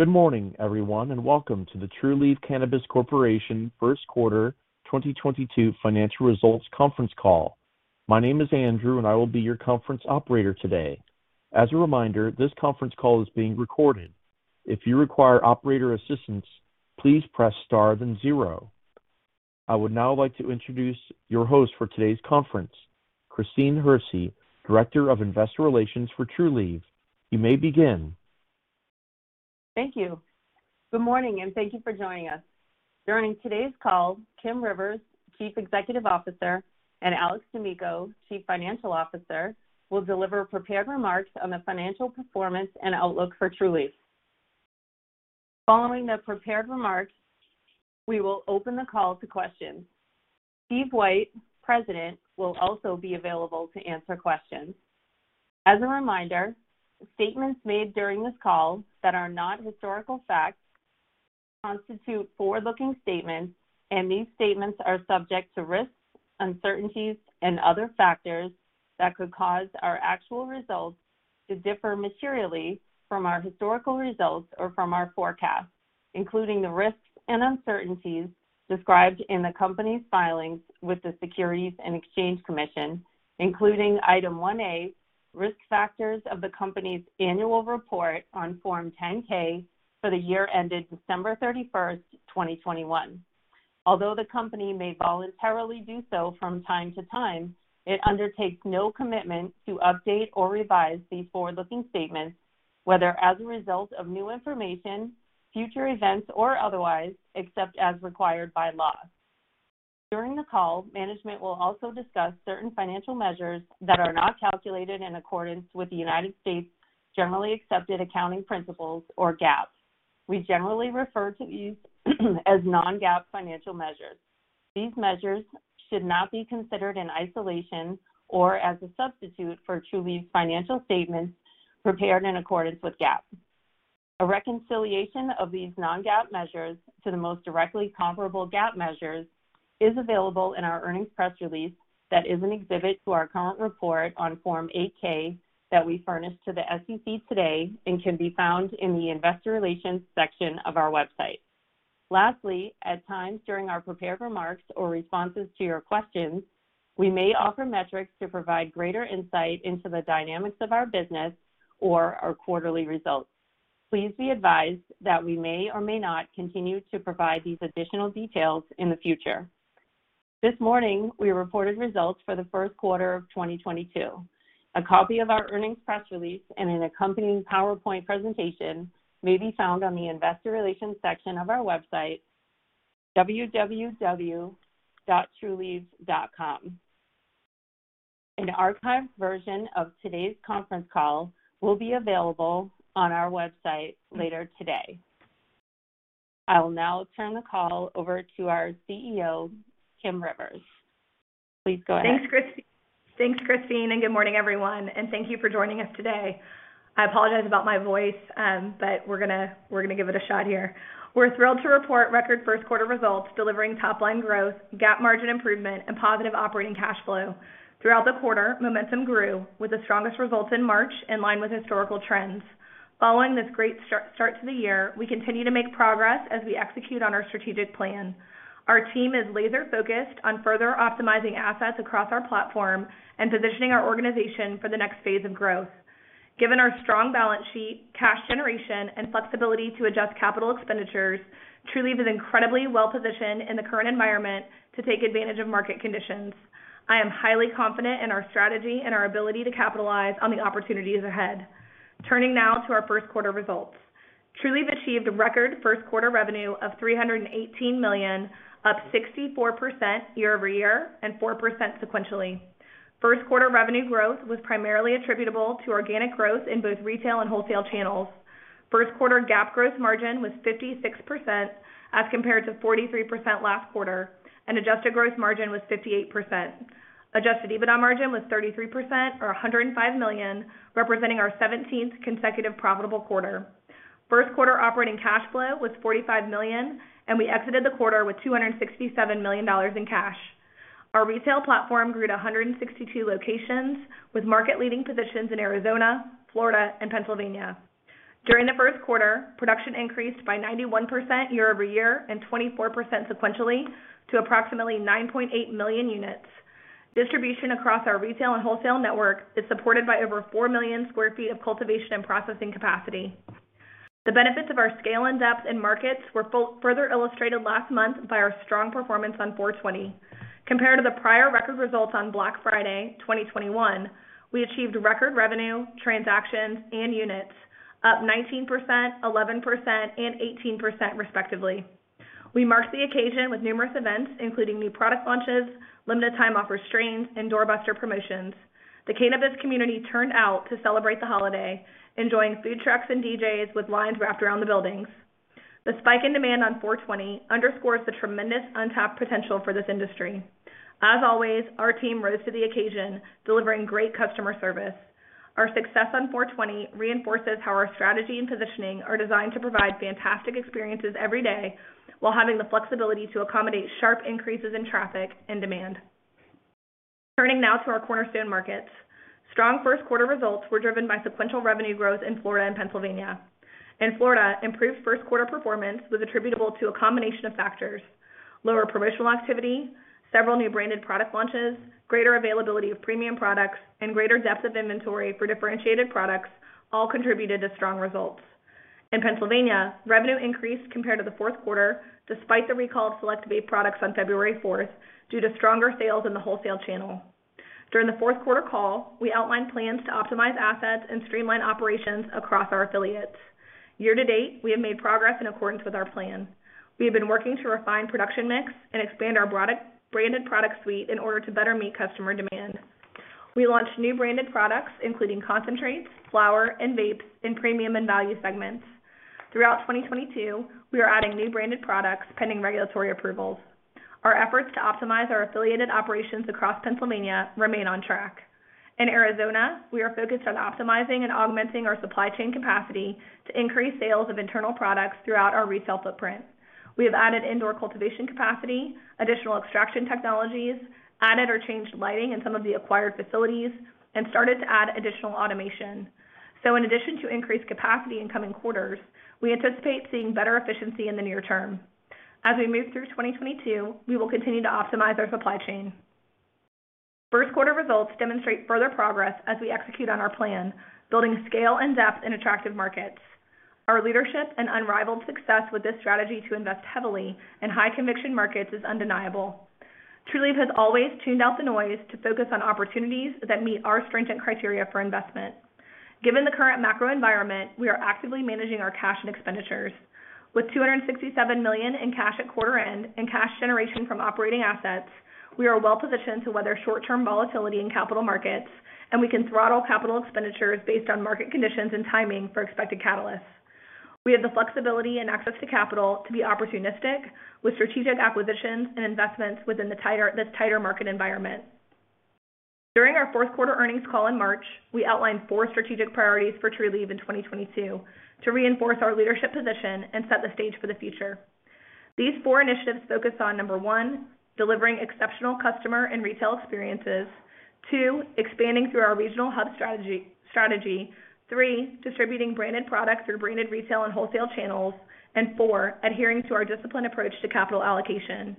Good morning, everyone, and welcome to the Trulieve Cannabis Corp. Q1 2022 Financial Results Conference Call. My name is Andrew, and I will be your conference operator today. As a reminder, this conference call is being recorded. If you require operator assistance, please press Star then zero. I would now like to introduce your host for today's conference, Christine Hersey, Director of Investor Relations for Trulieve. You may begin. Thank you. Good morning, and thank you for joining us. During today's call, Kim Rivers, Chief Executive Officer, and Alex D'Amico, Chief Financial Officer, will deliver prepared remarks on the financial performance and outlook for Trulieve. Following the prepared remarks, we will open the call to questions. Steve White, President, will also be available to answer questions. As a reminder, statements made during this call that are not historical facts constitute forward-looking statements, and these statements are subject to risks, uncertainties, and other factors that could cause our actual results to differ materially from our historical results or from our forecasts, including the risks and uncertainties described in the company's filings with the Securities and Exchange Commission, including Item 1A, Risk Factors of the company's Annual Report on Form 10-K for the year ended December 31, 2021. Although the company may voluntarily do so from time to time, it undertakes no commitment to update or revise these forward-looking statements, whether as a result of new information, future events, or otherwise, except as required by law. During the call, management will also discuss certain financial measures that are not calculated in accordance with the United States generally accepted accounting principles or GAAP. We generally refer to these as non-GAAP financial measures. These measures should not be considered in isolation or as a substitute for Trulieve's financial statements prepared in accordance with GAAP. A reconciliation of these non-GAAP measures to the most directly comparable GAAP measures is available in our earnings press release that is an exhibit to our current report on Form 8-K that we furnished to the SEC today and can be found in the Investor Relations section of our website. Lastly, at times during our prepared remarks or responses to your questions, we may offer metrics to provide greater insight into the dynamics of our business or our quarterly results. Please be advised that we may or may not continue to provide these additional details in the future. This morning, we reported results for the Q1 of 2022. A copy of our earnings press release and an accompanying PowerPoint presentation may be found on the Investor Relations section of our website, www.trulieve.com. An archived version of today's conference call will be available on our website later today. I will now turn the call over to our CEO, Kim Rivers. Please go ahead. Thanks, Christine, and good morning, everyone, and thank you for joining us today. I apologize about my voice, but we're gonna give it a shot here. We're thrilled to report record Q1 results, delivering top-line growth, GAAP margin improvement, and positive operating cash flow. Throughout the quarter, momentum grew with the strongest results in March in line with historical trends. Following this great start to the year, we continue to make progress as we execute on our strategic plan. Our team is laser-focused on further optimizing assets across our platform and positioning our organization for the next phase of growth. Given our strong balance sheet, cash generation, and flexibility to adjust capital expenditures, Trulieve is incredibly well-positioned in the current environment to take advantage of market conditions. I am highly confident in our strategy and our ability to capitalize on the opportunities ahead. Turning now to our Q1 results. Trulieve achieved record first quarter revenue of $318 million up 64% year-over-year and 4% sequentially. Q1 revenue growth was primarily attributable to organic growth in both retail and wholesale channels. First quarter GAAP gross margin was 56% as compared to 43% last quarter, and adjusted gross margin was 58%. Adjusted EBITDA margin was 33% or $105 million, representing our 17th consecutive profitable quarter. Q1 operating cash flow was $45 million, and we exited the quarter with $267 million in cash. Our retail platform grew to 162 locations with market-leading positions in Arizona, Florida, and Pennsylvania. During the Q1, production increased by 91% year-over-year and 24% sequentially to approximately 9.8 million units. Distribution across our retail and wholesale network is supported by over 4 million sq ft of cultivation and processing capacity. The benefits of our scale and depth in markets were further illustrated last month by our strong performance on 4/20. Compared to the prior record results on Black Friday 2021, we achieved record revenue, transactions, and units up 19%, 11%, and 18% respectively. We marked the occasion with numerous events, including new product launches, limited time offer strains, and doorbuster promotions. The cannabis community turned out to celebrate the holiday, enjoying food trucks and DJs with lines wrapped around the buildings. The spike in demand on 4/20 underscores the tremendous untapped potential for this industry. As always, our team rose to the occasion, delivering great customer service. Our success on 4/20 reinforces how our strategy and positioning are designed to provide fantastic experiences every day while having the flexibility to accommodate sharp increases in traffic and demand. Turning now to our cornerstone markets. Strong Q1 results were driven by sequential revenue growth in Florida and Pennsylvania. In Florida, improved Q1 performance was attributable to a combination of factors, lower promotional activity, several new branded product launches, greater availability of premium products, and greater depth of inventory for differentiated products all contributed to strong results. In Pennsylvania, revenue increased compared to the fourth quarter, despite the recall of select vape products on February fourth, due to stronger sales in the wholesale channel. During the Q4 call, we outlined plans to optimize assets and streamline operations across our affiliates. Year to date, we have made progress in accordance with our plan. We have been working to refine production mix and expand our product-branded product suite in order to better meet customer demand. We launched new branded products including concentrates, flower, and vape in premium and value segments. Throughout 2022, we are adding new branded products pending regulatory approvals. Our efforts to optimize our affiliated operations across Pennsylvania remain on track. In Arizona, we are focused on optimizing and augmenting our supply chain capacity to increase sales of internal products throughout our resale footprint. We have added indoor cultivation capacity, additional extraction technologies, added or changed lighting in some of the acquired facilities, and started to add additional automation. In addition to increased capacity in coming quarters, we anticipate seeing better efficiency in the near term. As we move through 2022, we will continue to optimize our supply chain. Q1 results demonstrate further progress as we execute on our plan, building scale and depth in attractive markets. Our leadership and unrivaled success with this strategy to invest heavily in high conviction markets is undeniable. Trulieve has always tuned out the noise to focus on opportunities that meet our stringent criteria for investment. Given the current macro environment, we are actively managing our cash and expenditures. With $267 million in cash at quarter end and cash generation from operating assets, we are well positioned to weather short-term volatility in capital markets, and we can throttle capital expenditures based on market conditions and timing for expected catalysts. We have the flexibility and access to capital to be opportunistic with strategic acquisitions and investments within this tighter market environment. During our Q4 earnings call in March, we outlined four strategic priorities for Trulieve in 2022 to reinforce our leadership position and set the stage for the future. These four initiatives focus on 1, delivering exceptional customer and retail experiences. 2, expanding through our regional hub strategy. 3, distributing branded products through branded retail and wholesale channels. 4, adhering to our disciplined approach to capital allocation.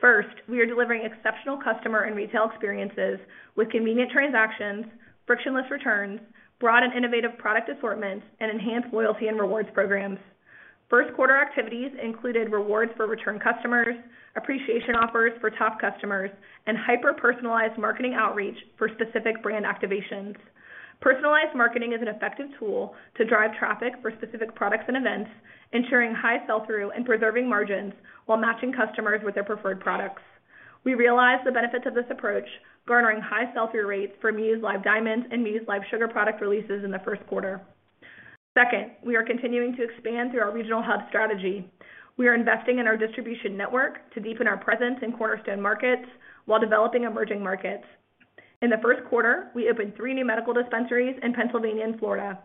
First, we are delivering exceptional customer and retail experiences with convenient transactions, frictionless returns, broad and innovative product assortments, and enhanced loyalty and rewards programs. First quarter activities included rewards for return customers, appreciation offers for top customers, and hyper-personalized marketing outreach for specific brand activations. Personalized marketing is an effective tool to drive traffic for specific products and events, ensuring high sell-through and preserving margins while matching customers with their preferred products. We realize the benefits of this approach, garnering high sell-through rates for Muse Live Diamonds and Muse Live Sugar product releases in the Q1. Second, we are continuing to expand through our regional hub strategy. We are investing in our distribution network to deepen our presence in cornerstone markets while developing emerging markets. In the Q1, we opened three new medical dispensaries in Pennsylvania and Florida.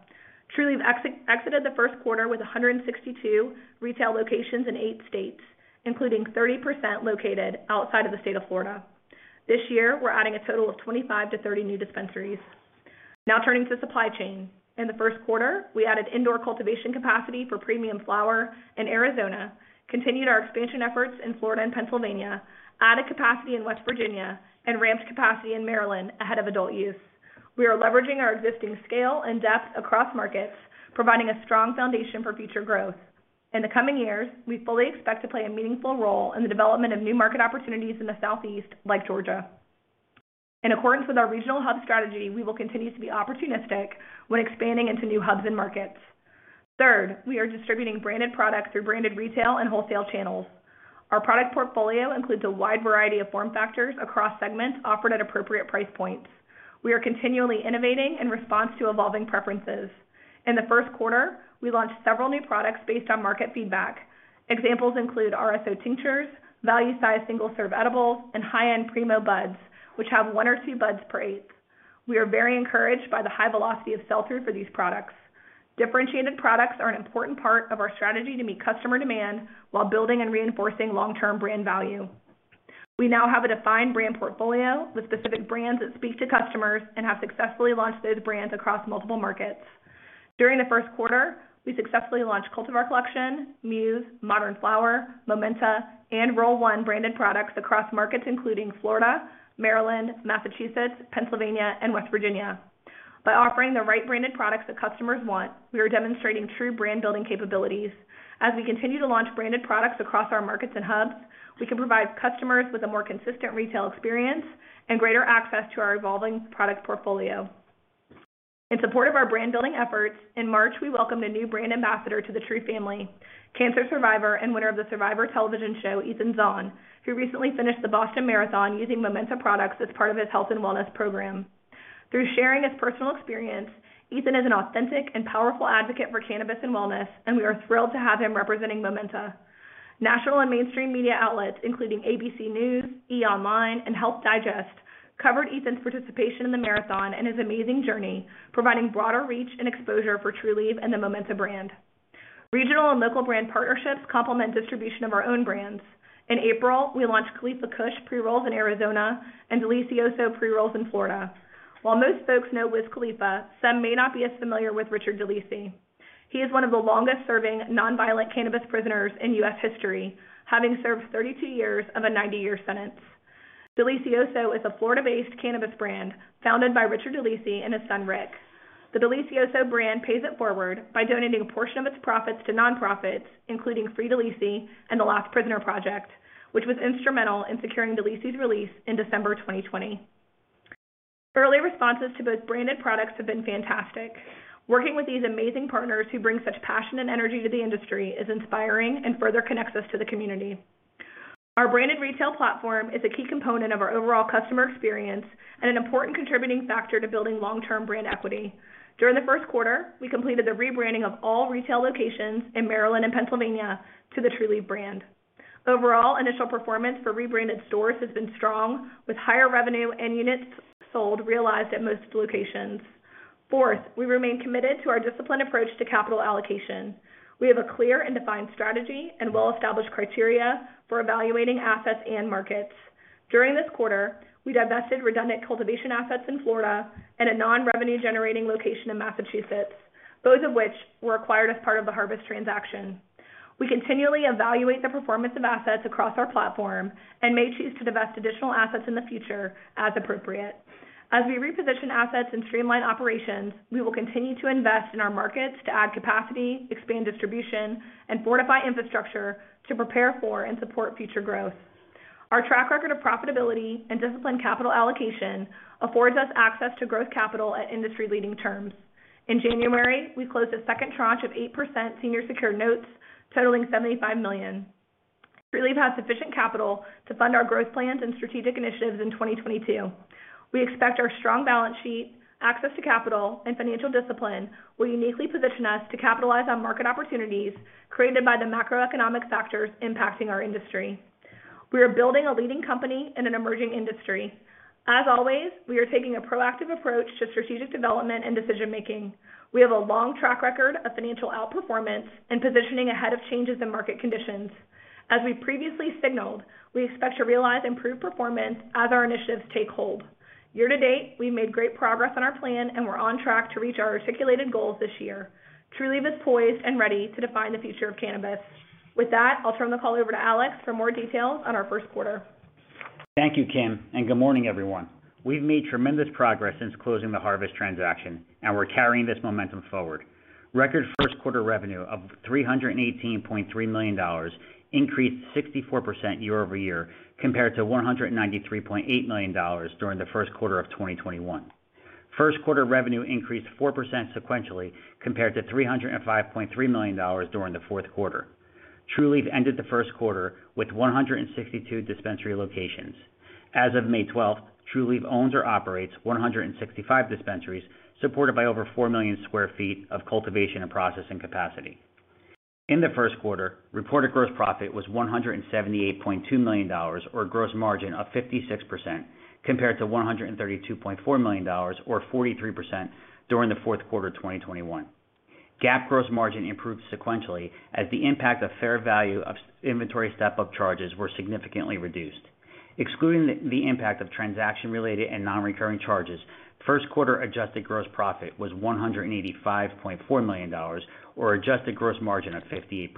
Trulieve exited the first quarter with 162 retail locations in eight states, including 30% located outside of the state of Florida. This year, we're adding a total of 25-30 new dispensaries. Now turning to supply chain. In the Q1, we added indoor cultivation capacity for premium flower in Arizona, continued our expansion efforts in Florida and Pennsylvania, added capacity in West Virginia, and ramped capacity in Maryland ahead of adult use. We are leveraging our existing scale and depth across markets, providing a strong foundation for future growth. In the coming years, we fully expect to play a meaningful role in the development of new market opportunities in the Southeast, like Georgia. In accordance with our regional hub strategy, we will continue to be opportunistic when expanding into new hubs and markets. Third, we are distributing branded products through branded retail and wholesale channels. Our product portfolio includes a wide variety of form factors across segments offered at appropriate price points. We are continually innovating in response to evolving preferences. In the Q1, we launched several new products based on market feedback. Examples include RSO tinctures, value-sized single-serve edibles, and high-end Primo buds, which have one or two buds per eighth. We are very encouraged by the high velocity of sell-through for these products. Differentiated products are an important part of our strategy to meet customer demand while building and reinforcing long-term brand value. We now have a defined brand portfolio with specific brands that speak to customers and have successfully launched those brands across multiple markets. During the Q1, we successfully launched Cultivar Collection, Muse, Modern Flower, Momenta, and Roll One branded products across markets including Florida, Maryland, Massachusetts, Pennsylvania, and West Virginia. By offering the right branded products that customers want, we are demonstrating true brand-building capabilities. As we continue to launch branded products across our markets and hubs, we can provide customers with a more consistent retail experience and greater access to our evolving product portfolio. In support of our brand-building efforts, in March, we welcomed a new brand ambassador to the Trulieve family, cancer survivor and winner of the Survivor television show, Ethan Zohn, who recently finished the Boston Marathon using Momenta products as part of his health and wellness program. Through sharing his personal experience, Ethan is an authentic and powerful advocate for cannabis and wellness, and we are thrilled to have him representing Momenta. National and mainstream media outlets, including ABC News, E! Online, and Health Digest, covered Ethan's participation in the marathon and his amazing journey, providing broader reach and exposure for Trulieve and the Momenta brand. Regional and local brand partnerships complement distribution of our own brands. In April, we launched Khalifa Kush pre-rolls in Arizona and DeLisioso pre-rolls in Florida. While most folks know Wiz Khalifa, some may not be as familiar with Richard DeLisi. He is one of the longest-serving non-violent cannabis prisoners in U.S. history, having served 32 years of a 90-year sentence. DeLisioso is a Florida-based cannabis brand founded by Richard DeLisi and his son, Rick. The DeLisioso brand pays it forward by donating a portion of its profits to nonprofits, including Free DeLisi and the Last Prisoner Project, which was instrumental in securing DeLisi's release in December 2020. Early responses to both branded products have been fantastic. Working with these amazing partners who bring such passion and energy to the industry is inspiring and further connects us to the community. Our branded retail platform is a key component of our overall customer experience and an important contributing factor to building long-term brand equity. During the first quarter, we completed the rebranding of all retail locations in Maryland and Pennsylvania to the Trulieve brand. Overall, initial performance for rebranded stores has been strong, with higher revenue and units sold realized at most locations. Fourth, we remain committed to our disciplined approach to capital allocation. We have a clear and defined strategy and well-established criteria for evaluating assets and markets. During this quarter, we divested redundant cultivation assets in Florida and a non-revenue-generating location in Massachusetts, both of which were acquired as part of the Harvest transaction. We continually evaluate the performance of assets across our platform and may choose to divest additional assets in the future as appropriate. As we reposition assets and streamline operations, we will continue to invest in our markets to add capacity, expand distribution, and fortify infrastructure to prepare for and support future growth. Our track record of profitability and disciplined capital allocation affords us access to growth capital at industry-leading terms. In January, we closed a second tranche of 8% senior secured notes totaling $75 million. Trulieve has sufficient capital to fund our growth plans and strategic initiatives in 2022. We expect our strong balance sheet, access to capital, and financial discipline will uniquely position us to capitalize on market opportunities created by the macroeconomic factors impacting our industry. We are building a leading company in an emerging industry. As always, we are taking a proactive approach to strategic development and decision-making. We have a long track record of financial outperformance and positioning ahead of changes in market conditions. As we previously signaled, we expect to realize improved performance as our initiatives take hold. Year to date, we've made great progress on our plan, and we're on track to reach our articulated goals this year. Trulieve is poised and ready to define the future of cannabis. With that, I'll turn the call over to Alex for more details on our Q1. Thank you, Kim, and good morning, everyone. We've made tremendous progress since closing the Harvest transaction, and we're carrying this momentum forward. Record first quarter revenue of $318.3 million increased 64% year over year compared to $193.8 million during the first quarter of 2021. Q1 revenue increased 4% sequentially compared to $305.3 million during the Q4. Trulieve ended the Q1 with 162 dispensary locations. As of May twelfth, Trulieve owns or operates 165 dispensaries, supported by over 4 million sq ft of cultivation and processing capacity. In the first quarter, reported gross profit was $178.2 million or a gross margin of 56% compared to $132.4 million or 43% during the Q4 of 2021. GAAP gross margin improved sequentially as the impact of fair value of inventory step-up charges were significantly reduced. Excluding the impact of transaction-related and non-recurring charges, Q1 adjusted gross profit was $185.4 million or adjusted gross margin of 58%.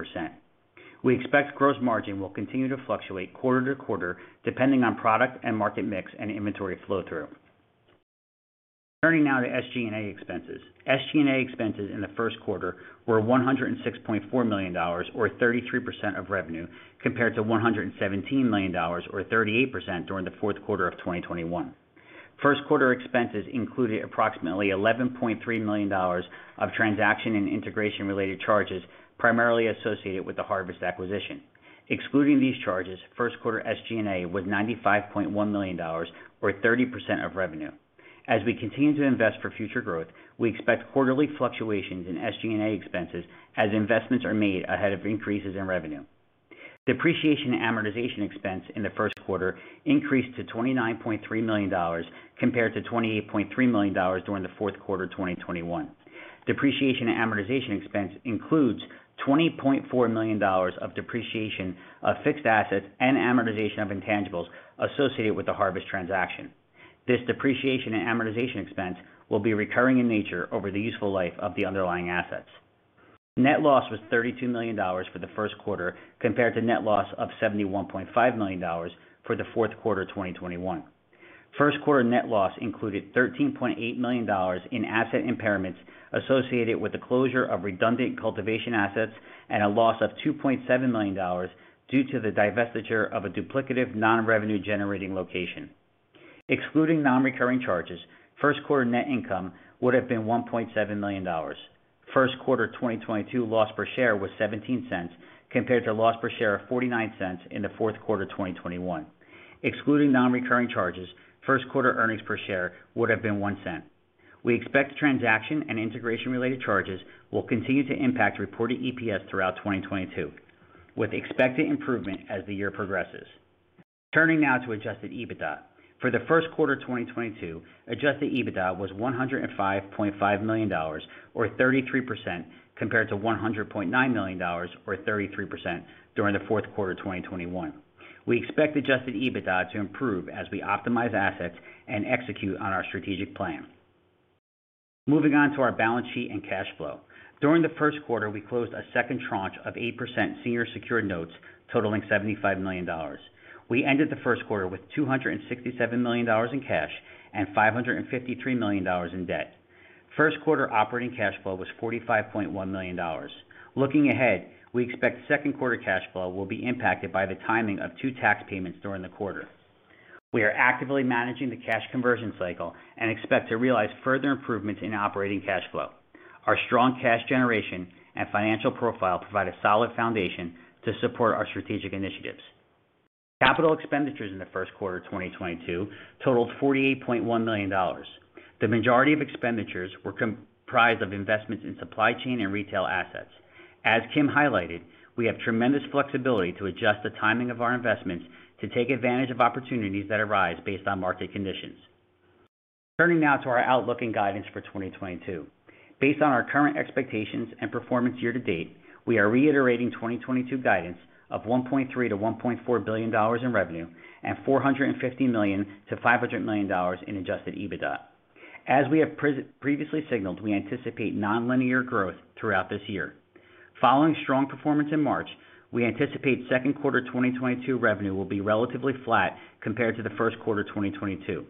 We expect gross margin will continue to fluctuate quarter to quarter, depending on product and market mix and inventory flow-through. Turning now to SG&A expenses. SG&A expenses in the Q1 were $106.4 million or 33% of revenue compared to $117 million or 38% during the Q4 of 2021. First quarter expenses included approximately $11.3 million of transaction and integration-related charges, primarily associated with the Harvest acquisition. Excluding these charges, first quarter SG&A was $95.1 million or 30% of revenue. As we continue to invest for future growth, we expect quarterly fluctuations in SG&A expenses as investments are made ahead of increases in revenue. Depreciation and amortization expense in the Q1 increased to $29.3 million compared to $28.3 million during the Q4 of 2021. Depreciation and amortization expense includes $20.4 million of depreciation of fixed assets and amortization of intangibles associated with the Harvest transaction. This depreciation and amortization expense will be recurring in nature over the useful life of the underlying assets. Net loss was $32 million for the Q1 compared to net loss of $71.5 million for the fourth quarter of 2021. Q1 net loss included $13.8 million in asset impairments associated with the closure of redundant cultivation assets and a loss of $2.7 million due to the divestiture of a duplicative non-revenue-generating location. Excluding non-recurring charges, first quarter net income would have been $1.7 million. Q1 2022 loss per share was $0.17 compared to loss per share of $0.49 in the Q4 of 2021. Excluding non-recurring charges, first quarter earnings per share would have been $0.01. We expect transaction and integration-related charges will continue to impact reported EPS throughout 2022, with expected improvement as the year progresses. Turning now to Adjusted EBITDA. For the Q1 of 2022, Adjusted EBITDA was $105.5 million, or 33% compared to $100.9 million or 33% during the Q4 of 2021. We expect Adjusted EBITDA to improve as we optimize assets and execute on our strategic plan. Moving on to our balance sheet and cash flow. During the Q1, we closed a second tranche of 8% senior secured notes totaling $75 million. We ended the Q1 with $267 million in cash and $553 million in debt. Q1 operating cash flow was $45.1 million. Looking ahead, we expect Q2 cash flow will be impacted by the timing of two tax payments during the quarter. We are actively managing the cash conversion cycle and expect to realize further improvements in operating cash flow. Our strong cash generation and financial profile provide a solid foundation to support our strategic initiatives. Capital expenditures in the Q1 of 2022 totaled $48.1 million. The majority of expenditures were comprised of investments in supply chain and retail assets. As Kim highlighted, we have tremendous flexibility to adjust the timing of our investments to take advantage of opportunities that arise based on market conditions. Turning now to our outlook and guidance for 2022. Based on our current expectations and performance year to date, we are reiterating 2022 guidance of $1.3 billion-$1.4 billion in revenue and $450 million-$500 million in Adjusted EBITDA. As we have previously signaled, we anticipate nonlinear growth throughout this year. Following strong performance in March, we anticipate second quarter 2022 revenue will be relatively flat compared to the Q1 of 2022.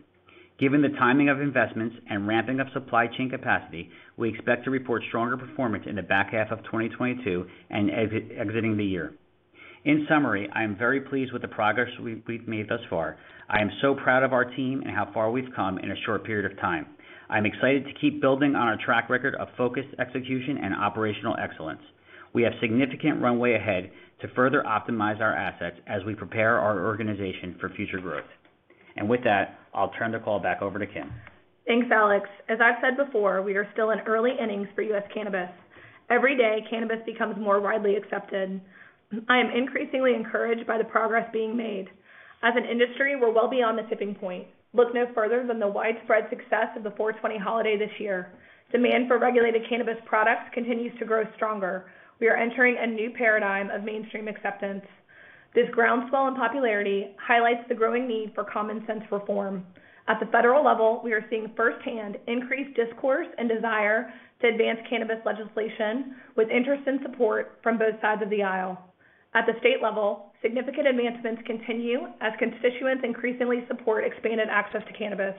Given the timing of investments and ramping up supply chain capacity, we expect to report stronger performance in the back half of 2022 and exiting the year. In summary, I am very pleased with the progress we've made thus far. I am so proud of our team and how far we've come in a short period of time. I am excited to keep building on our track record of focused execution and operational excellence. We have significant runway ahead to further optimize our assets as we prepare our organization for future growth. With that, I'll turn the call back over to Kim. Thanks, Alex. As I've said before, we are still in early innings for U.S. cannabis. Every day, cannabis becomes more widely accepted. I am increasingly encouraged by the progress being made. As an industry, we're well beyond the tipping point. Look no further than the widespread success of the Four Twenty holiday this year. Demand for regulated cannabis products continues to grow stronger. We are entering a new paradigm of mainstream acceptance. This groundswell in popularity highlights the growing need for common sense reform. At the federal level, we are seeing firsthand increased discourse and desire to advance cannabis legislation with interest and support from both sides of the aisle. At the state level, significant advancements continue as constituents increasingly support expanded access to cannabis.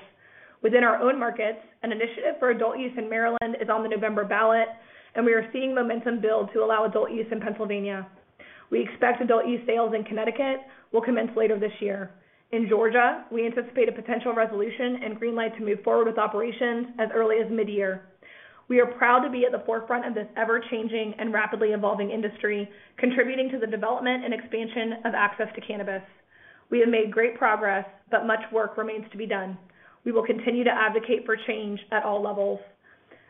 Within our own markets, an initiative for adult use in Maryland is on the November ballot, and we are seeing momentum build to allow adult use in Pennsylvania. We expect adult use sales in Connecticut will commence later this year. In Georgia, we anticipate a potential resolution and green light to move forward with operations as early as mid-year. We are proud to be at the forefront of this ever-changing and rapidly evolving industry, contributing to the development and expansion of access to cannabis. We have made great progress, but much work remains to be done. We will continue to advocate for change at all levels.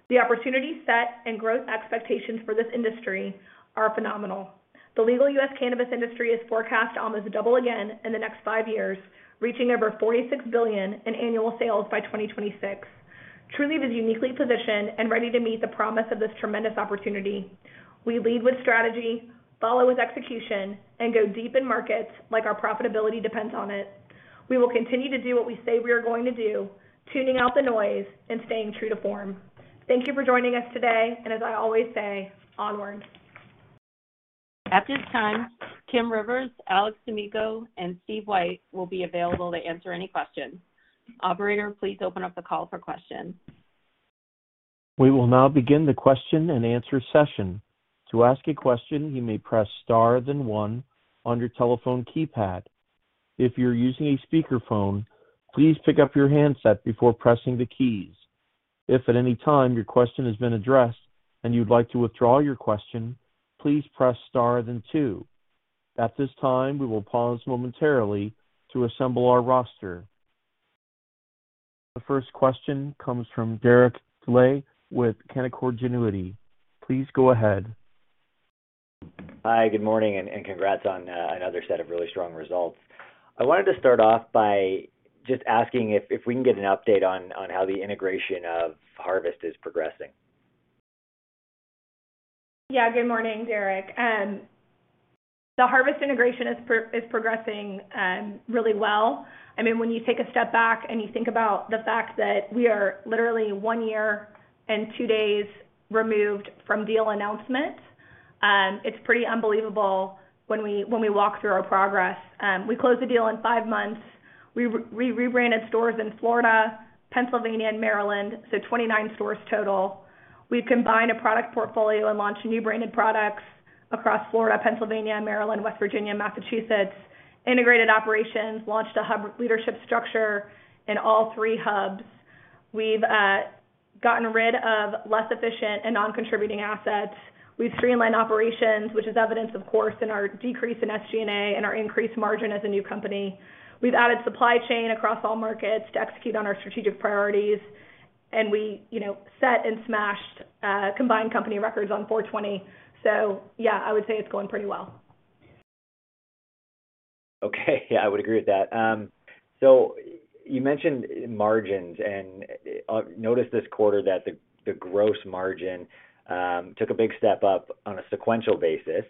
The opportunity set and growth expectations for this industry are phenomenal. The legal U.S. cannabis industry is forecast to almost double again in the next five years, reaching over $46 billion in annual sales by 2026. Trulieve is uniquely positioned and ready to meet the promise of this tremendous opportunity. We lead with strategy, follow with execution, and go deep in markets like our profitability depends on it. We will continue to do what we say we are going to do, tuning out the noise and staying true to form. Thank you for joining us today, and as I always say, onward. At this time, Kim Rivers, Alex D'Amico, and Steve White will be available to answer any questions. Operator, please open up the call for questions. We will now begin the question and answer session. To ask a question, you may press star then one on your telephone keypad. If you're using a speakerphone, please pick up your handset before pressing the keys. If at any time your question has been addressed and you'd like to withdraw your question, please press star then two. At this time, we will pause momentarily to assemble our roster. The first question comes from Derek Dley with Canaccord Genuity. Please go ahead. Hi. Good morning, and congrats on another set of really strong results. I wanted to start off by just asking if we can get an update on how the integration of Harvest is progressing. Good morning, Derek. The Harvest integration is progressing really well. I mean, when you take a step back and you think about the fact that we are literally one year and two days removed from deal announcement, it's pretty unbelievable when we walk through our progress. We closed the deal in five months. We rebranded stores in Florida, Pennsylvania, and Maryland, so 29 stores total. We've combined a product portfolio and launched new branded products across Florida, Pennsylvania, Maryland, West Virginia, Massachusetts. Integrated operations, launched a hub leadership structure in all three hubs. We've gotten rid of less efficient and non-contributing assets. We've streamlined operations, which is evident, of course, in our decrease in SG&A and our increased margin as a new company. We've added supply chain across all markets to execute on our strategic priorities. We, you know, set and smashed combined company records on 4/20. Yeah, I would say it's going pretty well. Okay. Yeah, I would agree with that. You mentioned margins and noticed this quarter that the gross margin took a big step up on a sequential basis.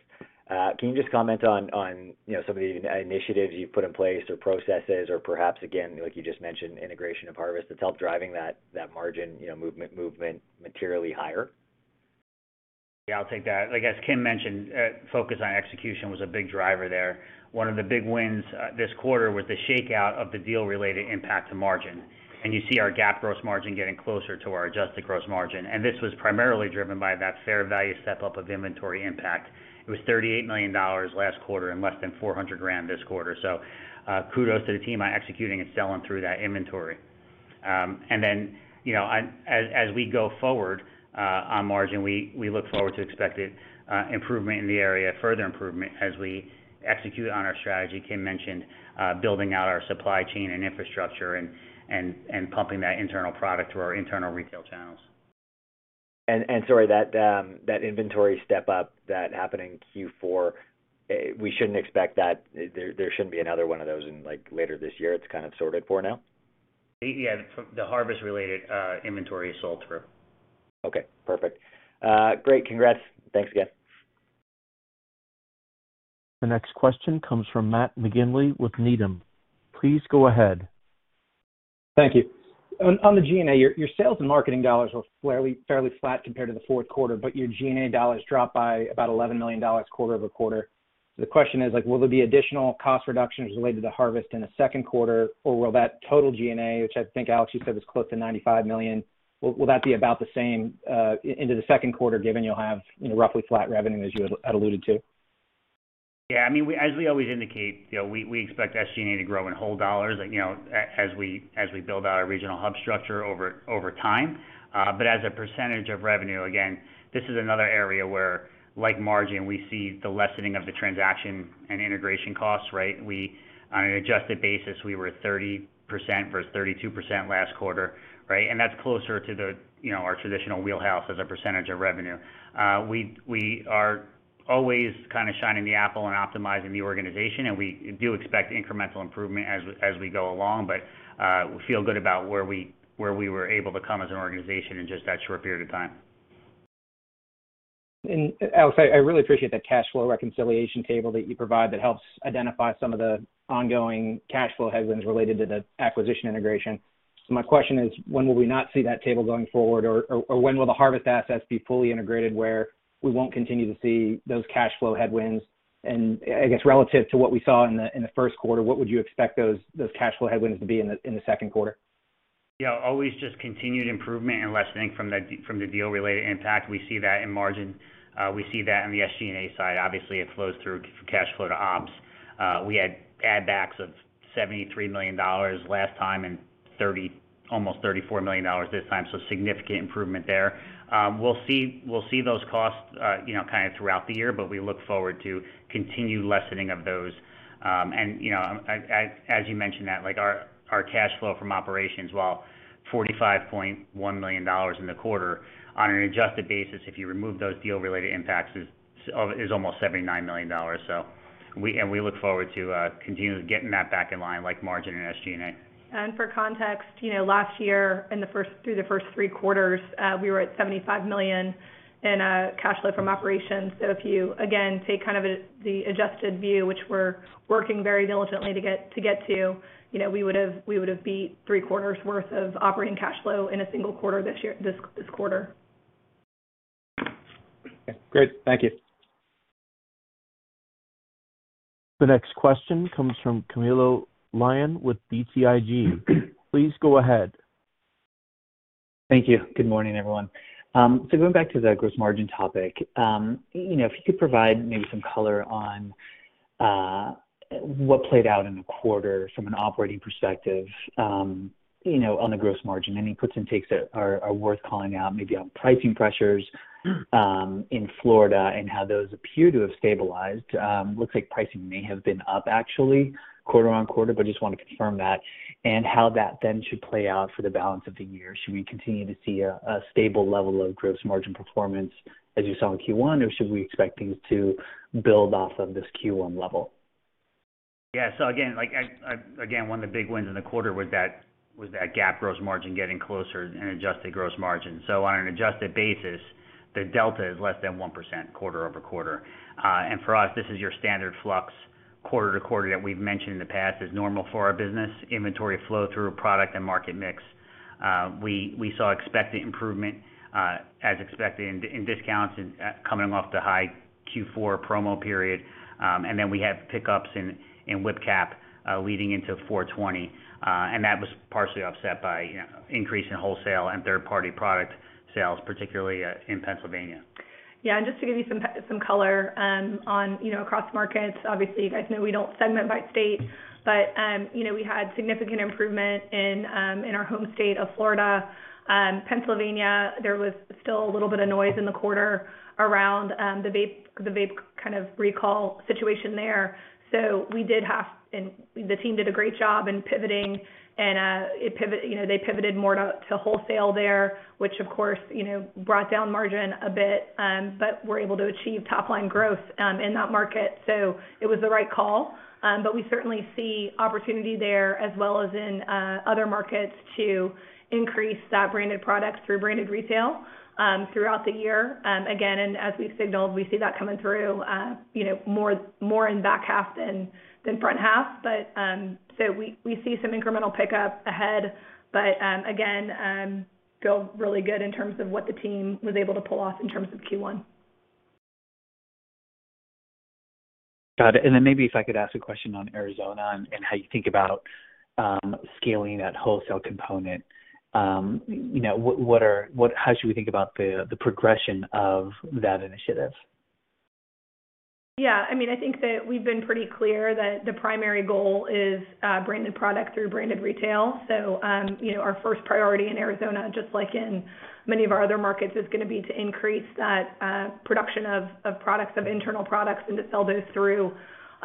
Can you just comment on you know, some of the initiatives you've put in place or processes or perhaps again, like you just mentioned, integration of Harvest that's helped driving that margin, you know, movement materially higher? Yeah, I'll take that. I guess Kim mentioned focus on execution was a big driver there. One of the big wins this quarter was the shakeout of the deal-related impact to margin. You see our GAAP gross margin getting closer to our adjusted gross margin. This was primarily driven by that fair value step-up of inventory impact. It was $38 million last quarter and less than $400,000 this quarter. Kudos to the team on executing and selling through that inventory. You know, as we go forward on margin, we look forward to expected improvement in the area, further improvement as we execute on our strategy. Kim mentioned building out our supply chain and infrastructure and pumping that internal product through our internal retail channels. Sorry, that inventory step up that happened in Q4, we shouldn't expect that. There shouldn't be another one of those in, like, later this year. It's kind of sorted for now. Yeah. The Harvest-related inventory is sold through. Okay, perfect. Great. Congrats. Thanks again. The next question comes from Matt McGinley with Needham. Please go ahead. Thank you. On the G&A, your sales and marketing dollars were fairly flat compared to the fourth quarter, but your G&A dollars dropped by about $11 million quarter over quarter. The question is, like, will there be additional cost reductions related to Harvest in the second quarter, or will that total G&A, which I think, Alex, you said was close to $95 million, will that be about the same into the second quarter, given you'll have, you know, roughly flat revenue, as you had alluded to? Yeah, I mean, as we always indicate, you know, we expect SG&A to grow in whole dollars, you know, as we build out our regional hub structure over time. But as a percentage of revenue, again, this is another area where, like margin, we see the lessening of the transaction and integration costs, right? On an adjusted basis, we were 30% versus 32% last quarter, right? That's closer to, you know, our traditional wheelhouse as a percentage of revenue. We are always kind of shining the apple and optimizing the organization, and we do expect incremental improvement as we go along. We feel good about where we were able to come as an organization in just that short period of time. Alex, I really appreciate that cash flow reconciliation table that you provide that helps identify some of the ongoing cash flow headwinds related to the acquisition integration. My question is, when will we not see that table going forward? Or when will the Harvest assets be fully integrated, where we won't continue to see those cash flow headwinds? I guess relative to what we saw in the Q1, what would you expect those cash flow headwinds to be in the second quarter? Yeah, always just continued improvement and lessening from the deal-related impact. We see that in margin. We see that on the SG&A side. Obviously, it flows through to cash flow to ops. We had add backs of $73 million last time and almost $34 million this time, so significant improvement there. We'll see those costs, you know, kind of throughout the year, but we look forward to continued lessening of those. You know, as you mentioned that, like, our cash flow from operations, while $45.1 million in the quarter, on an adjusted basis, if you remove those deal-related impacts, is almost $79 million. We look forward to continuously getting that back in line like margin and SG&A. For context, you know, last year through the first three quarters, we were at $75 million in cash flow from operations. So if you, again, take kind of the adjusted view, which we're working very diligently to get to, you know, we would've beat three quarters worth of operating cash flow in a single quarter this year—this quarter. Okay, great. Thank you. The next question comes from Camilo Lyon with BTIG. Please go ahead. Thank you. Good morning, everyone. Going back to the gross margin topic, you know, if you could provide maybe some color on what played out in the quarter from an operating perspective, you know, on the gross margin. Any puts and takes that are worth calling out, maybe on pricing pressures in Florida and how those appear to have stabilized. Looks like pricing may have been up actually quarter-over-quarter, but just want to confirm that and how that then should play out for the balance of the year. Should we continue to see a stable level of gross margin performance as you saw in Q1, or should we expect things to build off of this Q1 level? One of the big wins in the quarter was that gap gross margin getting closer in adjusted gross margin. On an adjusted basis, the delta is less than 1% quarter-over-quarter. For us, this is your standard flux quarter-to-quarter that we've mentioned in the past is normal for our business, inventory flow through product and market mix. We saw expected improvement, as expected in discounts and coming off the high Q4 promo period. We have pickups in WIP cap leading into 4/20, and that was partially offset by, you know, increase in wholesale and third-party product sales, particularly in Pennsylvania. Just to give you some color on, you know, across markets, obviously, you guys know we don't segment by state, but, you know, we had significant improvement in our home state of Florida. Pennsylvania, there was still a little bit of noise in the quarter around the vape kind of recall situation there. The team did a great job in pivoting, you know, they pivoted more to wholesale there, which of course, you know, brought down margin a bit, but we're able to achieve top line growth in that market. It was the right call. We certainly see opportunity there as well as in other markets to increase that branded product through branded retail throughout the year. Again, as we've signaled, we see that coming through, you know, more in back half than front half. We see some incremental pickup ahead, but again, feel really good in terms of what the team was able to pull off in terms of Q1. Got it. Maybe if I could ask a question on Arizona and how you think about scaling that wholesale component. You know, how should we think about the progression of that initiative? Yeah, I mean, I think that we've been pretty clear that the primary goal is branded product through branded retail. You know, our first priority in Arizona, just like in many of our other markets, is gonna be to increase that production of internal products and to sell those through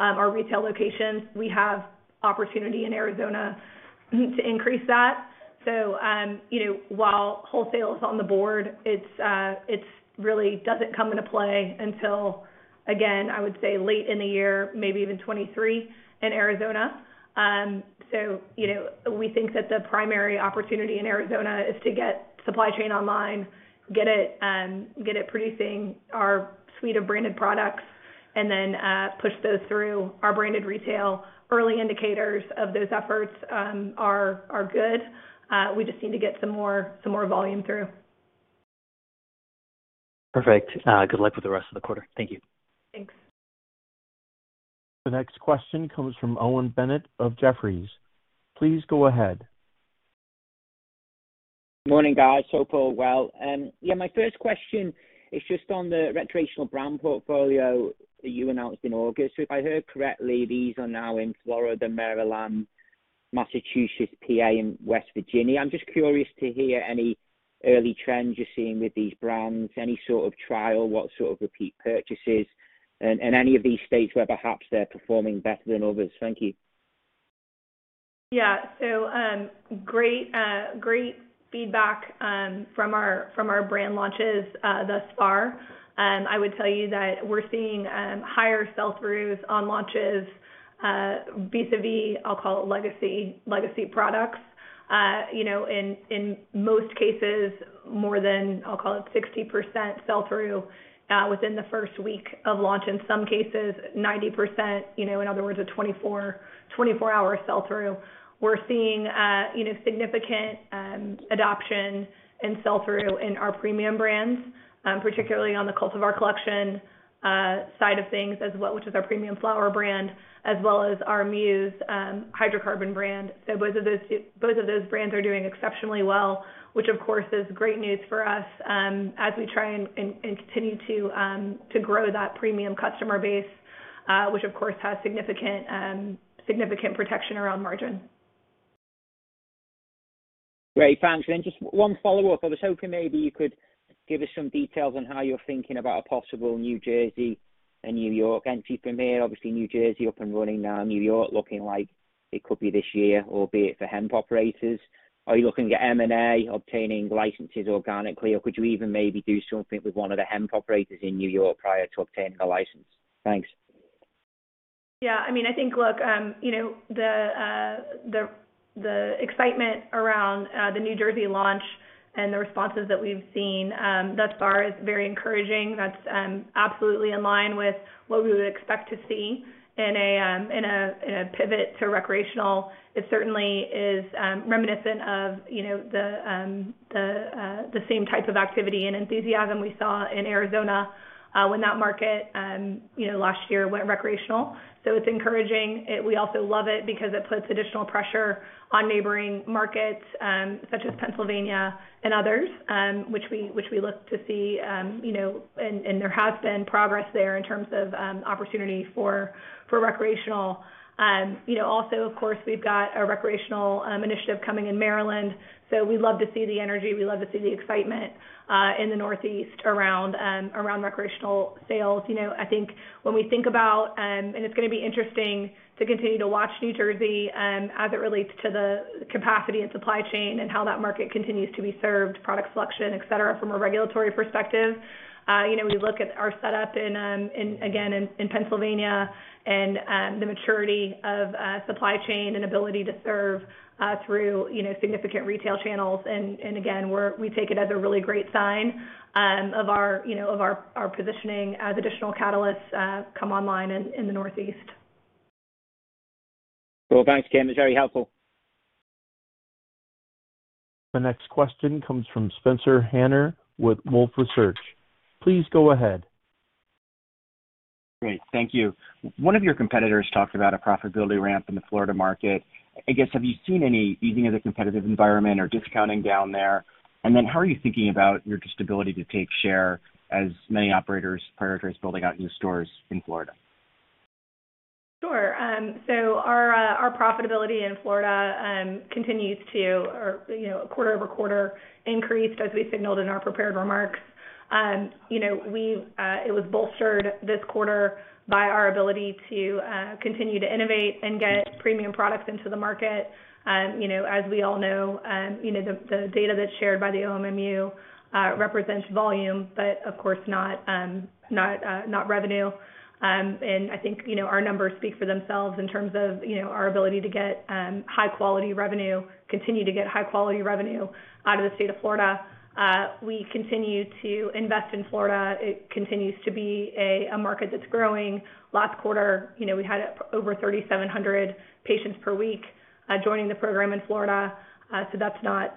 our retail locations. We have opportunity in Arizona to increase that. You know, while wholesale is on the board, it's really doesn't come into play until, again, I would say late in the year, maybe even 2023 in Arizona. You know, we think that the primary opportunity in Arizona is to get supply chain online, get it producing our suite of branded products, and then push those through our branded retail. Early indicators of those efforts are good. We just need to get some more volume through. Perfect. Good luck with the rest of the quarter. Thank you. Thanks. The next question comes from Owen Bennett of Jefferies. Please go ahead. Morning, guys. Hope all well. My first question is just on the recreational brand portfolio that you announced in August. If I heard correctly, these are now in Florida, Maryland, Massachusetts, PA, and West Virginia. I'm just curious to hear any early trends you're seeing with these brands, any sort of trial, what sort of repeat purchases, and any of these states where perhaps they're performing better than others. Thank you. Yeah. Great feedback from our brand launches thus far. I would tell you that we're seeing higher sell-throughs on launches vis-a-vis, I'll call it legacy products. You know, in most cases, more than, I'll call it 60% sell-through within the first week of launch. In some cases, 90%, you know, in other words, a twenty-four-hour sell-through. We're seeing you know, significant adoption and sell-through in our premium brands, particularly on the Cultivar Collection side of things as well, which is our premium flower brand, as well as our Muse hydrocarbon brand. Both of those brands are doing exceptionally well, which of course is great news for us, as we try and continue to grow that premium customer base, which of course has significant protection around margin. Great. Thanks. Just one follow-up. I was hoping maybe you could give us some details on how you're thinking about a possible New Jersey and New York entry. We're, obviously, New Jersey up and running now. New York looking like it could be this year, albeit for hemp operators. Are you looking at M&A, obtaining licenses organically, or could you even maybe do something with one of the hemp operators in New York prior to obtaining a license? Thanks. Yeah, I mean, I think, look, you know, the excitement around the New Jersey launch and the responses that we've seen thus far is very encouraging. That's absolutely in line with what we would expect to see in a pivot to recreational. It certainly is reminiscent of you know, the same types of activity and enthusiasm we saw in Arizona when that market you know, last year went recreational. So it's encouraging. We also love it because it puts additional pressure on neighboring markets such as Pennsylvania and others which we look to see you know, and there has been progress there in terms of opportunity for recreational. You know, also, of course, we've got a recreational initiative coming in Maryland, so we love to see the energy, we love to see the excitement in the Northeast around recreational sales. You know, I think when we think about and it's gonna be interesting to continue to watch New Jersey as it relates to the capacity and supply chain and how that market continues to be served, product selection, etc., from a regulatory perspective. You know, we look at our setup in Pennsylvania and the maturity of supply chain and ability to serve through you know, significant retail channels. Again, we take it as a really great sign of our you know, positioning as additional catalysts come online in the Northeast. Cool. Thanks, Kim. That's very helpful. The next question comes from Spencer Hanus with Wolfe Research. Please go ahead. Great. Thank you. One of your competitors talked about a profitability ramp in the Florida market. I guess, have you seen any easing of the competitive environment or discounting down there? How are you thinking about your just ability to take share as many operators, prioriters building out new stores in Florida? Sure. Our profitability in Florida continues to increase quarter-over-quarter as we signaled in our prepared remarks. You know, it was bolstered this quarter by our ability to continue to innovate and get premium products into the market. You know, as we all know, you know, the data that's shared by the OMMU represents volume, but of course not revenue. I think, you know, our numbers speak for themselves in terms of, you know, our ability to get high quality revenue, continue to get high quality revenue out of the state of Florida. We continue to invest in Florida. It continues to be a market that's growing. Last quarter, you know, we had over 3,700 patients per week joining the program in Florida. So that's not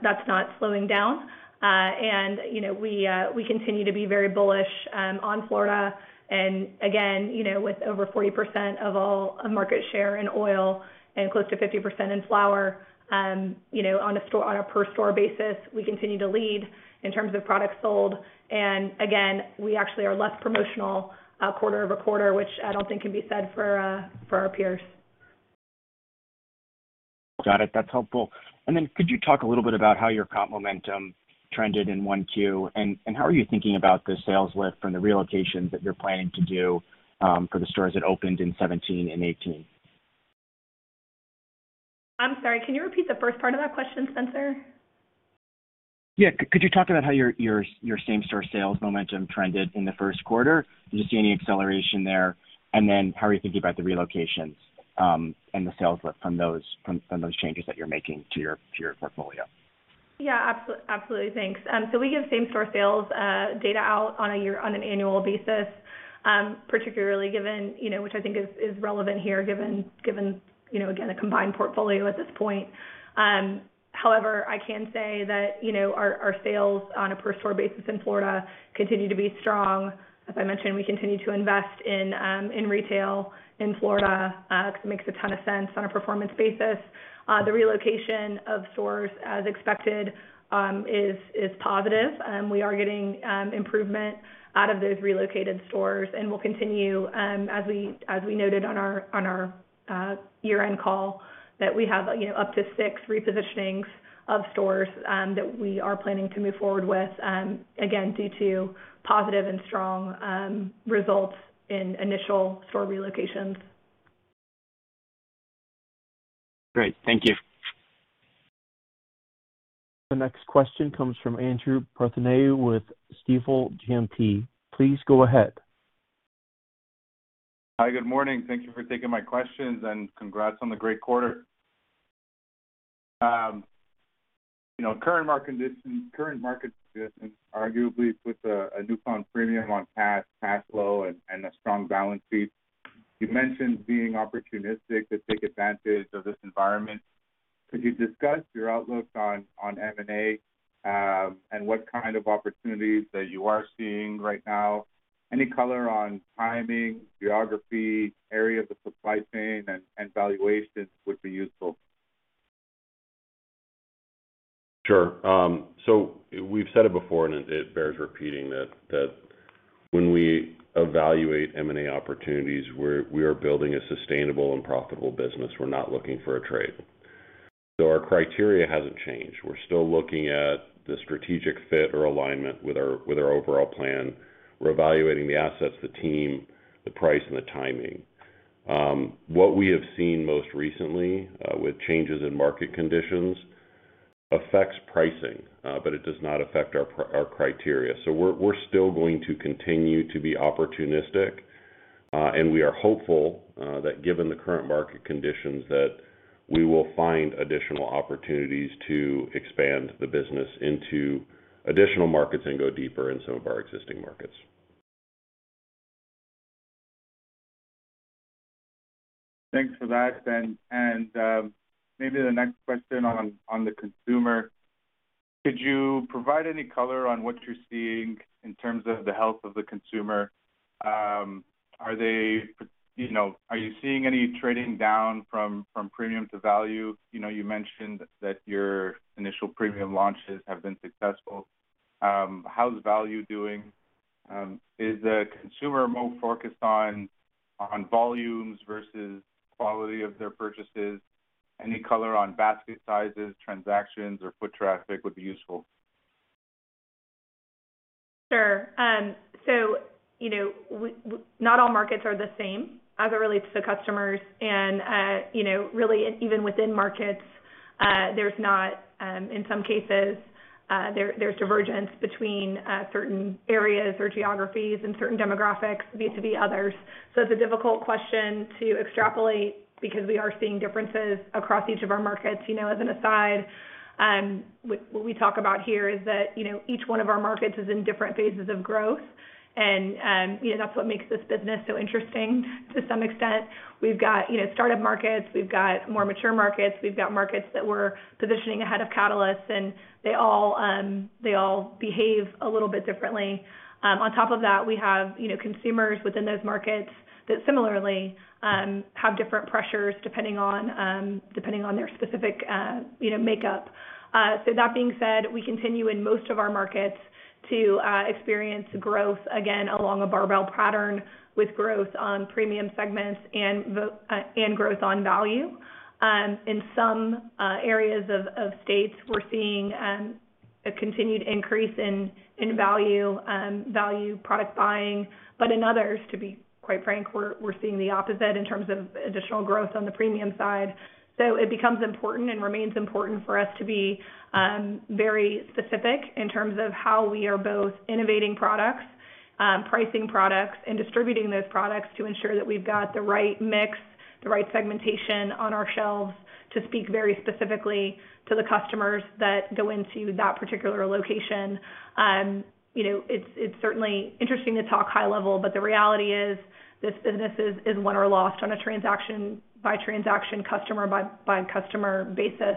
slowing down. You know, we continue to be very bullish on Florida and again, you know, with over 40% of all market share in oil and close to 50% in flower, you know, on a per store basis, we continue to lead in terms of products sold. Again, we actually are less promotional quarter-over-quarter, which I don't think can be said for our peers. Got it. That's helpful. Could you talk a little bit about how your comp momentum trended in 1Q? How are you thinking about the sales lift from the relocations that you're planning to do for the stores that opened in 2017 and 2018? I'm sorry, can you repeat the first part of that question, Spencer? Yeah. Could you talk about how your same store sales momentum trended in the first quarter? Do you see any acceleration there? Then how are you thinking about the relocations and the sales lift from those changes that you're making to your portfolio? Yeah, absolutely. Thanks. We give same-store sales data out on an annual basis, particularly given, you know, which I think is relevant here, given, you know, again, a combined portfolio at this point. However, I can say that, you know, our sales on a per store basis in Florida continue to be strong. As I mentioned, we continue to invest in retail in Florida, because it makes a ton of sense on a performance basis. The relocation of stores as expected is positive. We are getting improvement out of those relocated stores, and we'll continue, as we noted on our year-end call, that we have, you know, up to six repositionings of stores that we are planning to move forward with, again, due to positive and strong results in initial store relocations. Great. Thank you. The next question comes from Andrew Partheniou with Stifel GMP. Please go ahead. Hi, good morning. Thank you for taking my questions, and congrats on the great quarter. You know, current market conditions arguably put a newfound premium on cash flow and a strong balance sheet. You mentioned being opportunistic to take advantage of this environment. Could you discuss your outlook on M&A, and what kind of opportunities that you are seeing right now? Any color on timing, geography, areas of supply chain and valuations would be useful. We've said it before, and it bears repeating that when we evaluate M&A opportunities, we are building a sustainable and profitable business. We're not looking for a trade. Our criteria hasn't changed. We're still looking at the strategic fit or alignment with our overall plan. We're evaluating the assets, the team, the price and the timing. What we have seen most recently with changes in market conditions affects pricing, but it does not affect our criteria. We're still going to continue to be opportunistic, and we are hopeful that given the current market conditions, we will find additional opportunities to expand the business into additional markets and go deeper in some of our existing markets. Thanks for that. Maybe the next question on the consumer. Could you provide any color on what you're seeing in terms of the health of the consumer? Are they, you know, are you seeing any trading down from premium to value? You know, you mentioned that your initial premium launches have been successful. How's value doing? Is the consumer more focused on volumes versus quality of their purchases? Any color on basket sizes, transactions, or foot traffic would be useful. Sure. Not all markets are the same as it relates to customers and, you know, really even within markets, there's not, in some cases, there's divergence between certain areas or geographies and certain demographics vis-à-vis others. It's a difficult question to extrapolate because we are seeing differences across each of our markets. You know, as an aside, what we talk about here is that, you know, each one of our markets is in different phases of growth and, you know, that's what makes this business so interesting. To some extent, we've got, you know, startup markets, we've got more mature markets, we've got markets that we're positioning ahead of catalysts, and they all behave a little bit differently. On top of that, we have, you know, consumers within those markets that similarly have different pressures depending on their specific, you know, makeup. That being said, we continue in most of our markets to experience growth, again, along a barbell pattern with growth on premium segments and growth on value. In some areas of states, we're seeing a continued increase in value product buying. In others, to be quite frank, we're seeing the opposite in terms of additional growth on the premium side. It becomes important and remains important for us to be very specific in terms of how we are both innovating products, pricing products, and distributing those products to ensure that we've got the right mix, the right segmentation on our shelves to speak very specifically to the customers that go into that particular location. You know, it's certainly interesting to talk high level, but the reality is this business is won or lost on a transaction by transaction, customer by customer basis.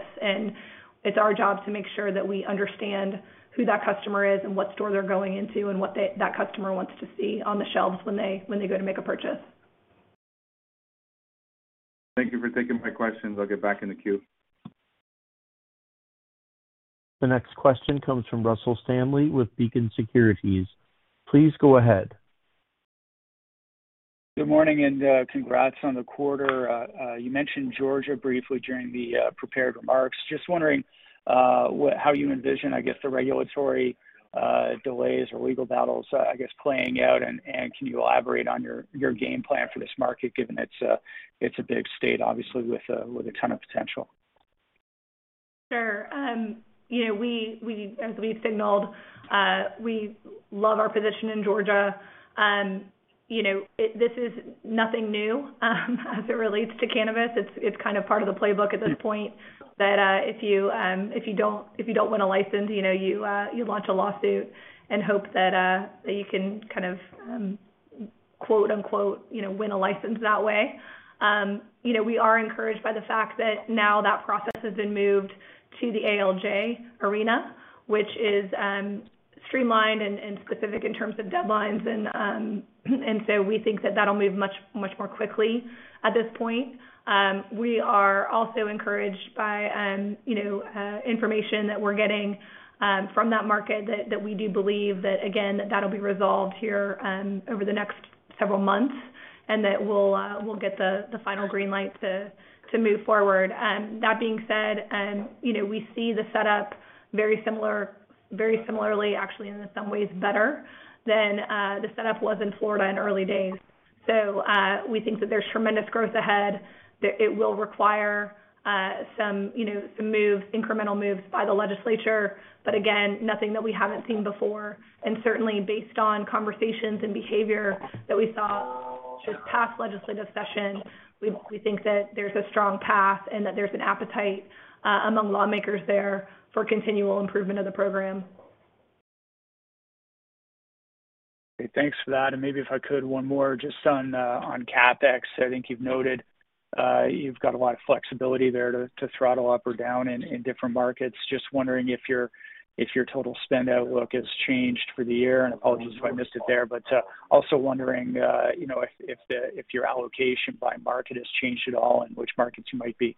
It's our job to make sure that we understand who that customer is and what store they're going into and what that customer wants to see on the shelves when they go to make a purchase. Thank you for taking my questions. I'll get back in the queue. The next question comes from Russell Stanley with Beacon Securities. Please go ahead. Good morning, congrats on the quarter. You mentioned Georgia briefly during the prepared remarks. Just wondering how you envision, I guess, the regulatory delays or legal battles, I guess, playing out, and can you elaborate on your game plan for this market given it's a big state, obviously, with a ton of potential? Sure. You know, we as we've signaled, we love our position in Georgia. You know, this is nothing new as it relates to cannabis. It's kind of part of the playbook at this point that if you don't want a license, you launch a lawsuit and hope that you can kind of quote-unquote win a license that way. You know, we are encouraged by the fact that now that process has been moved to the ALJ arena, which is streamlined and specific in terms of deadlines. We think that that'll move much more quickly at this point. We are also encouraged by, you know, information that we're getting from that market that we do believe that again, that'll be resolved here over the next several months, and that we'll get the final green light to move forward. That being said, you know, we see the setup very similarly, actually, in some ways better than the setup was in Florida in early days. We think that there's tremendous growth ahead, that it will require some, you know, some moves, incremental moves by the legislature, but again, nothing that we haven't seen before. Certainly based on conversations and behavior that we saw this past legislative session, we think that there's a strong path and that there's an appetite among lawmakers there for continual improvement of the program. Okay, thanks for that. Maybe if I could, one more just on CapEx. I think you've noted, you've got a lot of flexibility there to throttle up or down in different markets. Just wondering if your total spend outlook has changed for the year, and apologies if I missed it there. Also wondering, you know, if your allocation by market has changed at all, and which markets you might be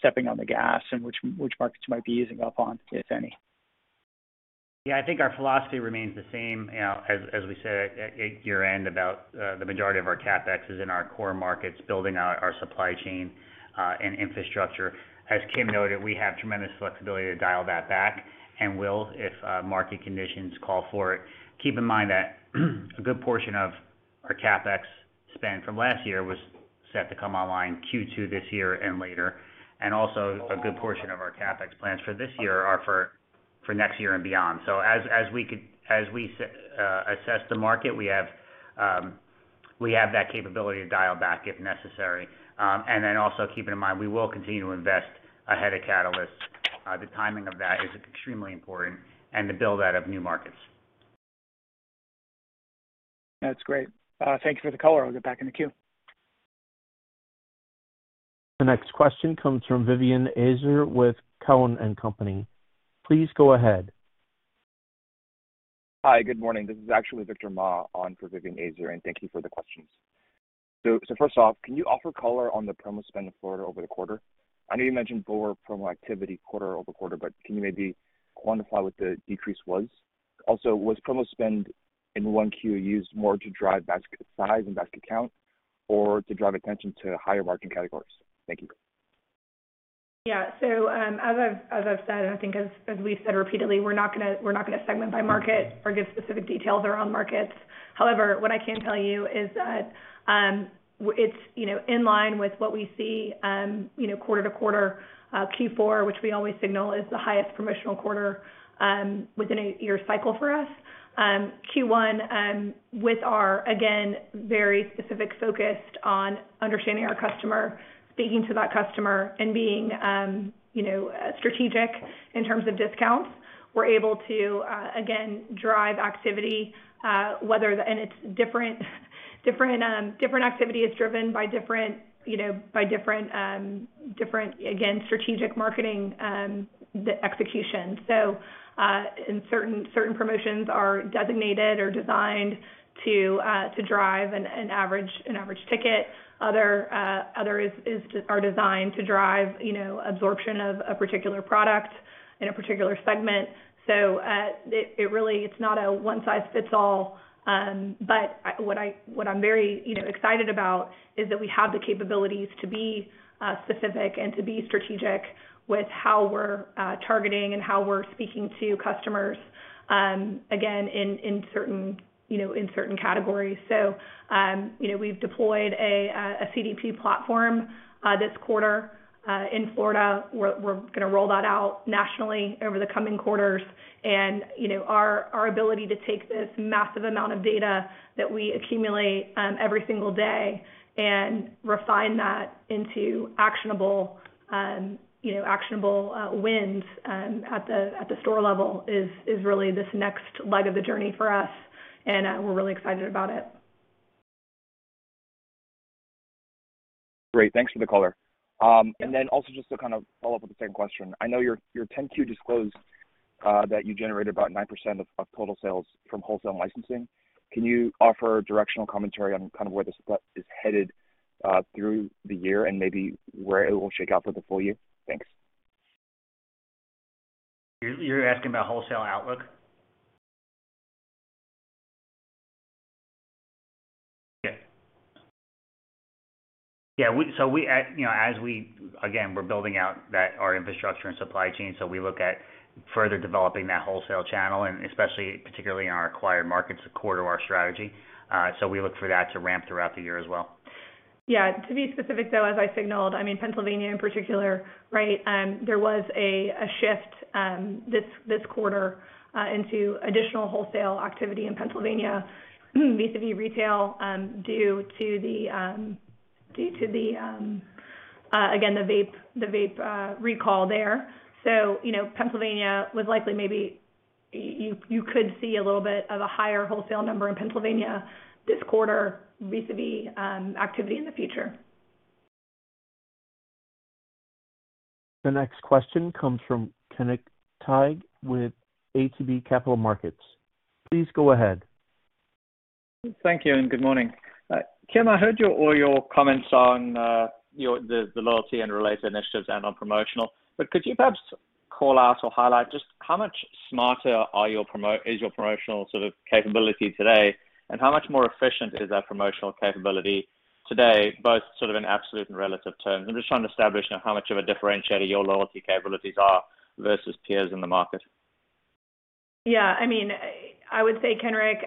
stepping on the gas and which markets you might be easing up on, if any. Yeah, I think our philosophy remains the same, you know, as we said at year-end about the majority of our CapEx is in our core markets, building out our supply chain and infrastructure. As Kim noted, we have tremendous flexibility to dial that back and will if market conditions call for it. Keep in mind that a good portion of our CapEx spend from last year was set to come online Q2 this year and later. Also a good portion of our CapEx plans for this year are for next year and beyond. As we assess the market, we have that capability to dial back if necessary. Keeping in mind, we will continue to invest ahead of catalysts. The timing of that is extremely important and to build into new markets. That's great. Thank you for the color. I'll get back in the queue. The next question comes from Vivien Azer with Cowen and Company. Please go ahead. Hi, good morning. This is actually Victor Ma on for Vivien Azer, and thank you for the questions. So first off, can you offer color on the promo spend in Florida over the quarter? I know you mentioned lower promo activity quarter-over-quarter, but can you maybe quantify what the decrease was? Also, was promo spend in 1Q used more to drive basket size and basket count or to drive attention to higher margin categories? Thank you. Yeah. As I've said, and I think as we've said repeatedly, we're not gonna segment by market or give specific details around markets. However, what I can tell you is that it's, you know, in line with what we see, you know, quarter-over-quarter. Q4, which we always signal is the highest promotional quarter, within a year cycle for us. Q1, with our, again, very specific focused on understanding our customer, speaking to that customer and being, you know, strategic in terms of discounts, we're able to, again, drive activity, and it's different. Different activity is driven by different, you know, by different, again, strategic marketing, the execution. Certain promotions are designated or designed to drive an average ticket. Others are designed to drive, you know, absorption of a particular product in a particular segment. It really is not a one-size-fits-all. What I'm very, you know, excited about is that we have the capabilities to be specific and to be strategic with how we're targeting and how we're speaking to customers, again, in certain, you know, in certain categories. You know, we've deployed a CDP platform this quarter in Florida. We're gonna roll that out nationally over the coming quarters. You know, our ability to take this massive amount of data that we accumulate every single day and refine that into actionable wins at the store level is really this next leg of the journey for us, and we're really excited about it. Great. Thanks for the color. Also just to kind of follow up with the same question. I know your 10-Q disclosed that you generated about 9% of total sales from wholesale and licensing. Can you offer directional commentary on kind of where the split is headed through the year and maybe where it will shake out for the full year? Thanks. You, you're asking about wholesale outlook? Yeah. We, you know, as we again, we're building out our infrastructure and supply chain, so we look at further developing that wholesale channel and especially particularly in our acquired markets, core to our strategy. We look for that to ramp throughout the year as well. Yeah. To be specific, though, as I signaled, I mean Pennsylvania in particular, right? There was a shift this quarter into additional wholesale activity in Pennsylvania vis-à-vis retail, due to again, the vape recall there. You know, Pennsylvania was likely maybe you could see a little bit of a higher wholesale number in Pennsylvania this quarter vis-à-vis activity in the future. The next question comes from Kenric Tyghe with ATB Capital Markets. Please go ahead. Thank you and good morning. Kim, I heard all your comments on the loyalty and related initiatives and on promotional, but could you perhaps call out or highlight just how much smarter is your promotional sort of capability today, and how much more efficient is that promotional capability today, both sort of in absolute and relative terms? I'm just trying to establish, you know, how much of a differentiator your loyalty capabilities are versus peers in the market. Yeah, I mean, I would say, Kenric,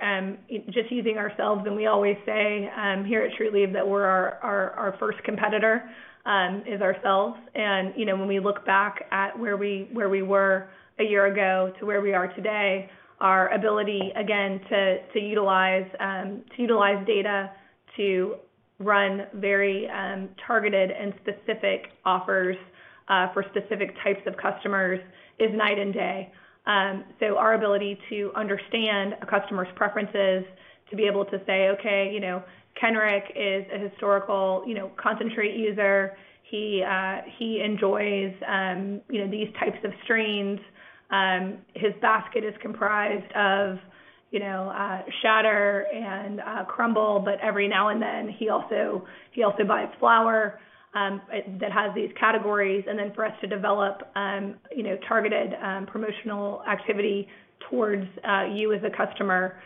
just using ourselves, and we always say here at Trulieve that we're our first competitor is ourselves. You know, when we look back at where we were a year ago to where we are today, our ability again to utilize data to run very targeted and specific offers for specific types of customers is night and day. Our ability to understand a customer's preferences, to be able to say, okay, you know, Kenric is a historical concentrate user. He enjoys you know, these types of strains. His basket is comprised of you know, shatter and crumble, but every now and then, he also buys flower that has these categories. For us to develop, you know, targeted promotional activity towards you as a customer,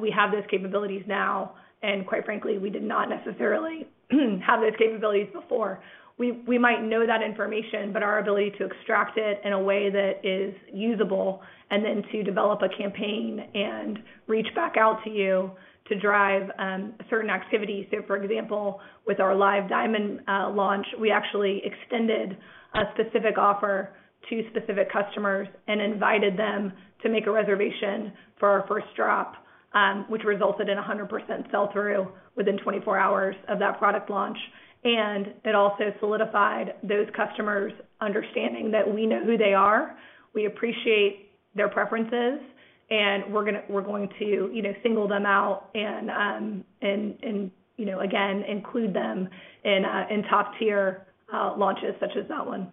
we have those capabilities now, and quite frankly, we did not necessarily have those capabilities before. We might know that information, but our ability to extract it in a way that is usable and then to develop a campaign and reach back out to you to drive certain activities. For example, with our Muse Live Diamonds launch, we actually extended a specific offer to specific customers and invited them to make a reservation for our first drop, which resulted in 100% sell-through within 24 hours of that product launch. It also solidified those customers' understanding that we know who they are, we appreciate their preferences, and we're going to, you know, single them out and, you know, again, include them in top-tier launches such as that one.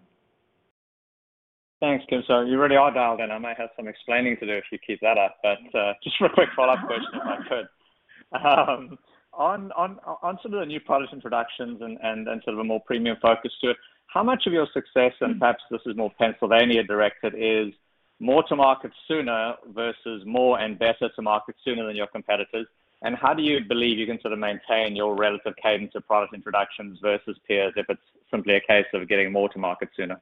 Thanks, Kim. You really are dialed in. I might have some explaining to do if you keep that up. Just a quick follow-up question, if I could. On some of the new product introductions and sort of a more premium focus to it, how much of your success, and perhaps this is more Pennsylvania-directed, is more to market sooner versus more and better to market sooner than your competitors? How do you believe you can sort of maintain your relative cadence of product introductions versus peers if it's simply a case of getting more to market sooner?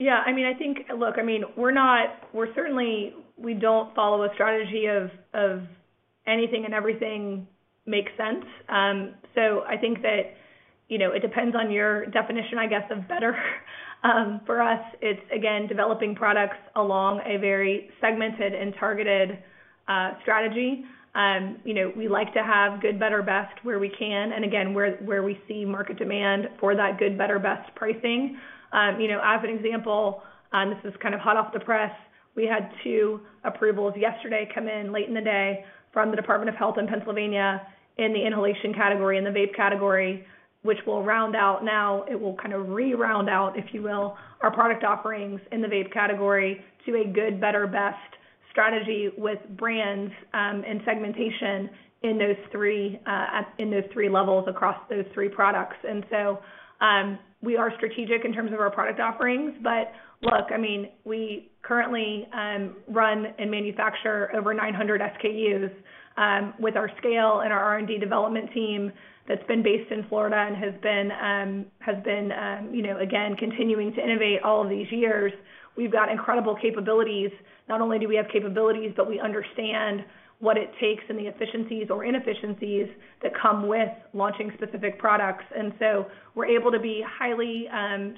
Look, I mean, we're certainly not following a strategy of anything and everything makes sense. I think that, you know, it depends on your definition, I guess, of better. For us, it's again developing products along a very segmented and targeted strategy. You know, we like to have good, better, best where we can, and again, where we see market demand for that good, better, best pricing. You know, as an example, this is kind of hot off the press. We had two approvals yesterday come in late in the day from the Department of Health in Pennsylvania in the inhalation category, in the vape category, which will round out now. It will kind of re-round out, if you will, our product offerings in the vape category to a good, better, best strategy with brands and segmentation in those three levels across those three products. We are strategic in terms of our product offerings. Look, I mean, we currently run and manufacture over 900 SKUs with our scale and our R&D development team that's been based in Florida and has been, you know, again, continuing to innovate all of these years. We've got incredible capabilities. Not only do we have capabilities, but we understand what it takes and the efficiencies or inefficiencies that come with launching specific products. We're able to be highly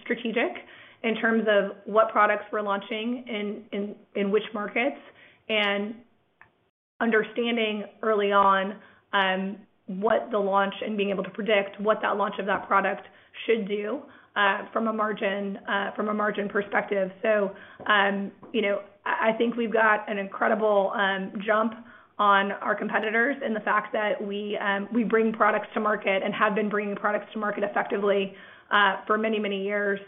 strategic in terms of what products we're launching in which markets, and understanding early on what the launch and being able to predict what that launch of that product should do from a margin perspective. You know, I think we've got an incredible jump on our competitors in the fact that we bring products to market and have been bringing products to market effectively for many years.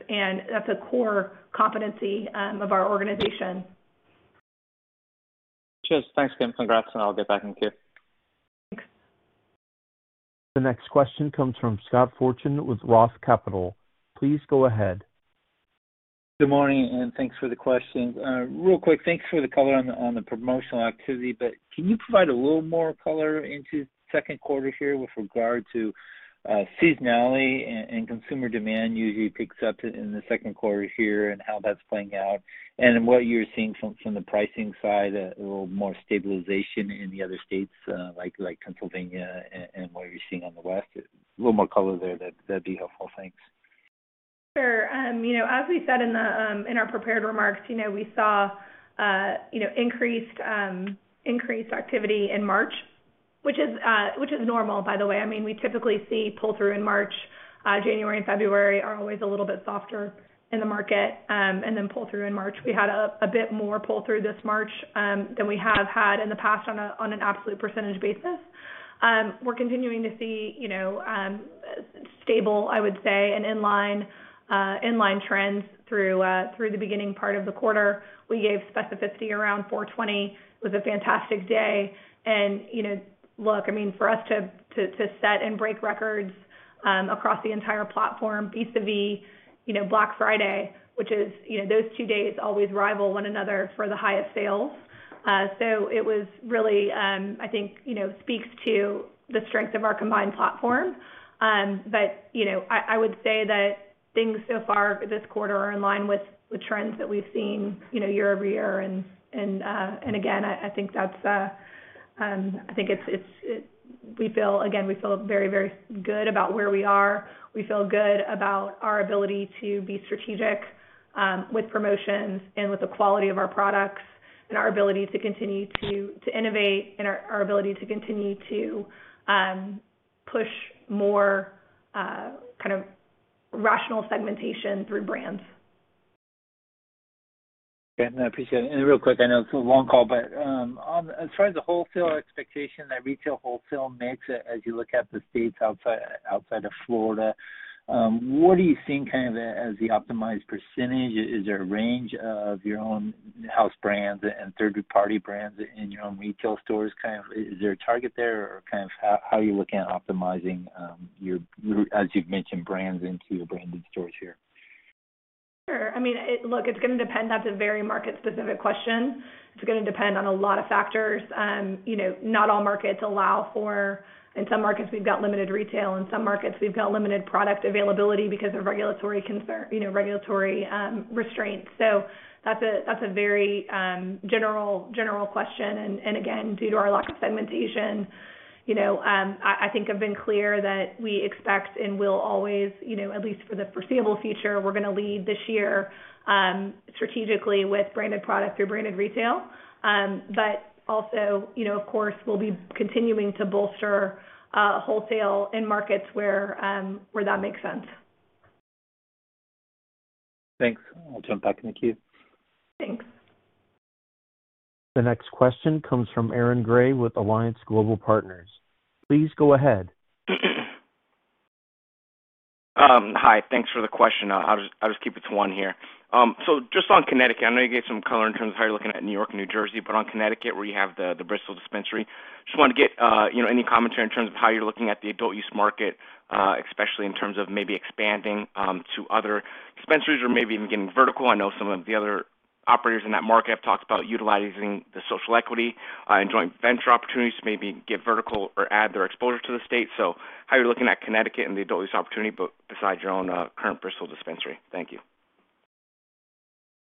That's a core competency of our organization. Cheers. Thanks, Kim. Congrats, and I'll get back in queue. Thanks. The next question comes from Scott Fortune with Roth Capital. Please go ahead. Good morning, and thanks for the questions. Real quick, thanks for the color on the promotional activity, but can you provide a little more color into second quarter here with regard to seasonality and consumer demand usually picks up in the second quarter here and how that's playing out and what you're seeing from the pricing side, a little more stabilization in the other states, like Pennsylvania and what you're seeing on the west? A little more color there, that'd be helpful. Thanks. Sure. You know, as we said in our prepared remarks, you know, we saw increased activity in March, which is normal, by the way. I mean, we typically see pull-through in March. January and February are always a little bit softer in the market, and then pull-through in March. We had a bit more pull-through this March than we have had in the past on an absolute percentage basis. We're continuing to see, you know, stable, I would say, inline trends through the beginning part of the quarter. We gave specificity around 4/20. It was a fantastic day. You know, look, I mean, for us to set and break records across the entire platform, vis-a-vis, you know, Black Friday, which is, you know, those two days always rival one another for the highest sales. It was really, I think, you know, speaks to the strength of our combined platform. You know, I would say that things so far this quarter are in line with the trends that we've seen, you know, year-over-year. Again, I think that's. I think it's. We feel, again, we feel very, very good about where we are. We feel good about our ability to be strategic with promotions and with the quality of our products and our ability to continue to innovate and our ability to continue to push more kind of rational segmentation through brands. Okay. No, I appreciate it. Real quick, I know it's a long call, but, as far as the wholesale expectation that retail wholesale makes as you look at the states outside of Florida, what do you think kind of as the optimized percentage? Is there a range of your own house brands and third-party brands in your own retail stores, kind of is there a target there or kind of how are you looking at optimizing, as you've mentioned, brands into your branded stores here? Sure. I mean, look, it's gonna depend. That's a very market-specific question. It's gonna depend on a lot of factors. You know, not all markets allow for. In some markets, we've got limited retail. In some markets, we've got limited product availability because of regulatory concern, you know, regulatory restraints. So that's a very general question. Again, due to our lack of segmentation, you know, I think I've been clear that we expect and will always, you know, at least for the foreseeable future, we're gonna lead this year strategically with branded product through branded retail. Also, you know, of course, we'll be continuing to bolster wholesale in markets where that makes sense. Thanks. I'll jump back in the queue. Thanks. The next question comes from Aaron Grey with Alliance Global Partners. Please go ahead. Hi. Thanks for the question. I'll just keep it to one here. Just on Connecticut, I know you gave some color in terms of how you're looking at New York and New Jersey, but on Connecticut, where you have the Bristol dispensary, just wanted to get, you know, any commentary in terms of how you're looking at the adult use market, especially in terms of maybe expanding to other dispensaries or maybe even getting vertical. I know some of the other operators in that market have talked about utilizing the social equity and joint venture opportunities to maybe get vertical or add their exposure to the state. How are you looking at Connecticut and the adult use opportunity beside your own current Bristol dispensary? Thank you.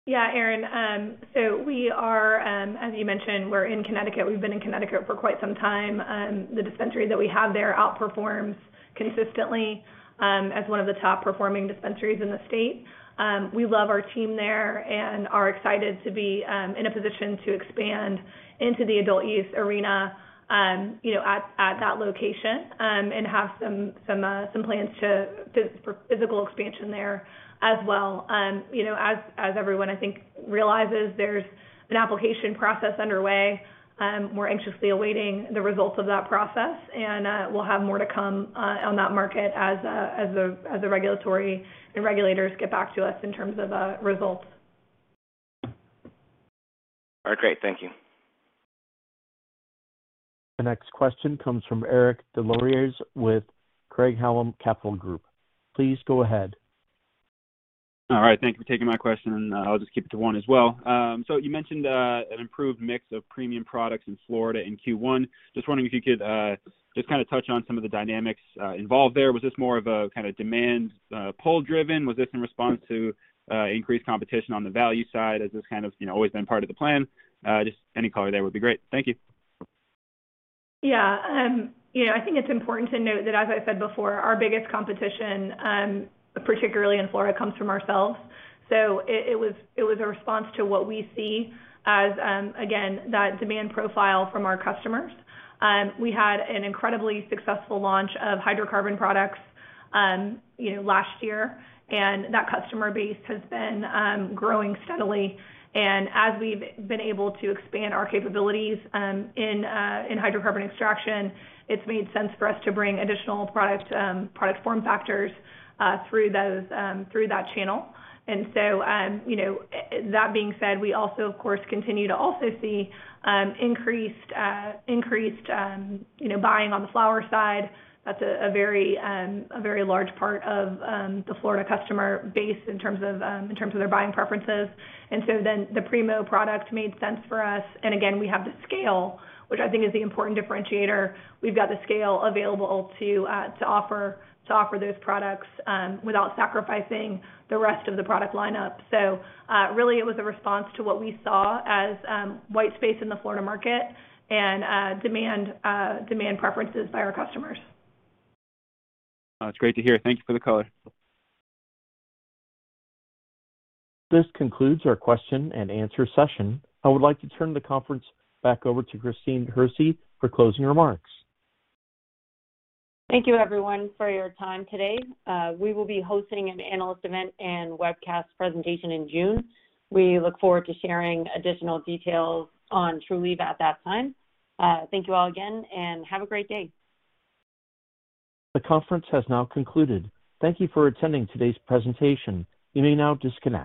Yeah, Aaron, so we are, as you mentioned, we're in Connecticut. We've been in Connecticut for quite some time. The dispensary that we have there outperforms consistently as one of the top-performing dispensaries in the state. We love our team there and are excited to be in a position to expand into the adult use arena, you know, at that location, and have some plans for physical expansion there as well. You know, as everyone, I think, realizes, there's an application process underway. We're anxiously awaiting the results of that process and we'll have more to come on that market as the regulators get back to us in terms of results. All right, great. Thank you. The next question comes from Eric Des Lauriers with Craig-Hallum Capital Group. Please go ahead. All right, thank you for taking my question, and I'll just keep it to one as well. So you mentioned an improved mix of premium products in Florida in Q1. Just wondering if you could just kinda touch on some of the dynamics involved there. Was this more of a kinda demand pull driven? Was this in response to increased competition on the value side? Has this kind of, you know, always been part of the plan? Just any color there would be great. Thank you. Yeah. You know, I think it's important to note that, as I said before, our biggest competition, particularly in Florida, comes from ourselves. It was a response to what we see as, again, that demand profile from our customers. We had an incredibly successful launch of hydrocarbon products, you know, last year, and that customer base has been growing steadily. As we've been able to expand our capabilities in hydrocarbon extraction, it's made sense for us to bring additional product form factors through that channel. You know, that being said, we also of course continue to also see increased buying on the flower side. That's a very large part of the Florida customer base in terms of their buying preferences. Again, we have the scale, which I think is the important differentiator. We've got the scale available to offer those products without sacrificing the rest of the product lineup. Really it was a response to what we saw as white space in the Florida market and demand preferences by our customers. That's great to hear. Thank you for the color. This concludes our question and answer session. I would like to turn the conference back over to Christine Hersey for closing remarks. Thank you everyone for your time today. We will be hosting an analyst event and webcast presentation in June. We look forward to sharing additional details on Trulieve at that time. Thank you all again, and have a great day. The conference has now concluded. Thank you for attending today's presentation. You may now disconnect.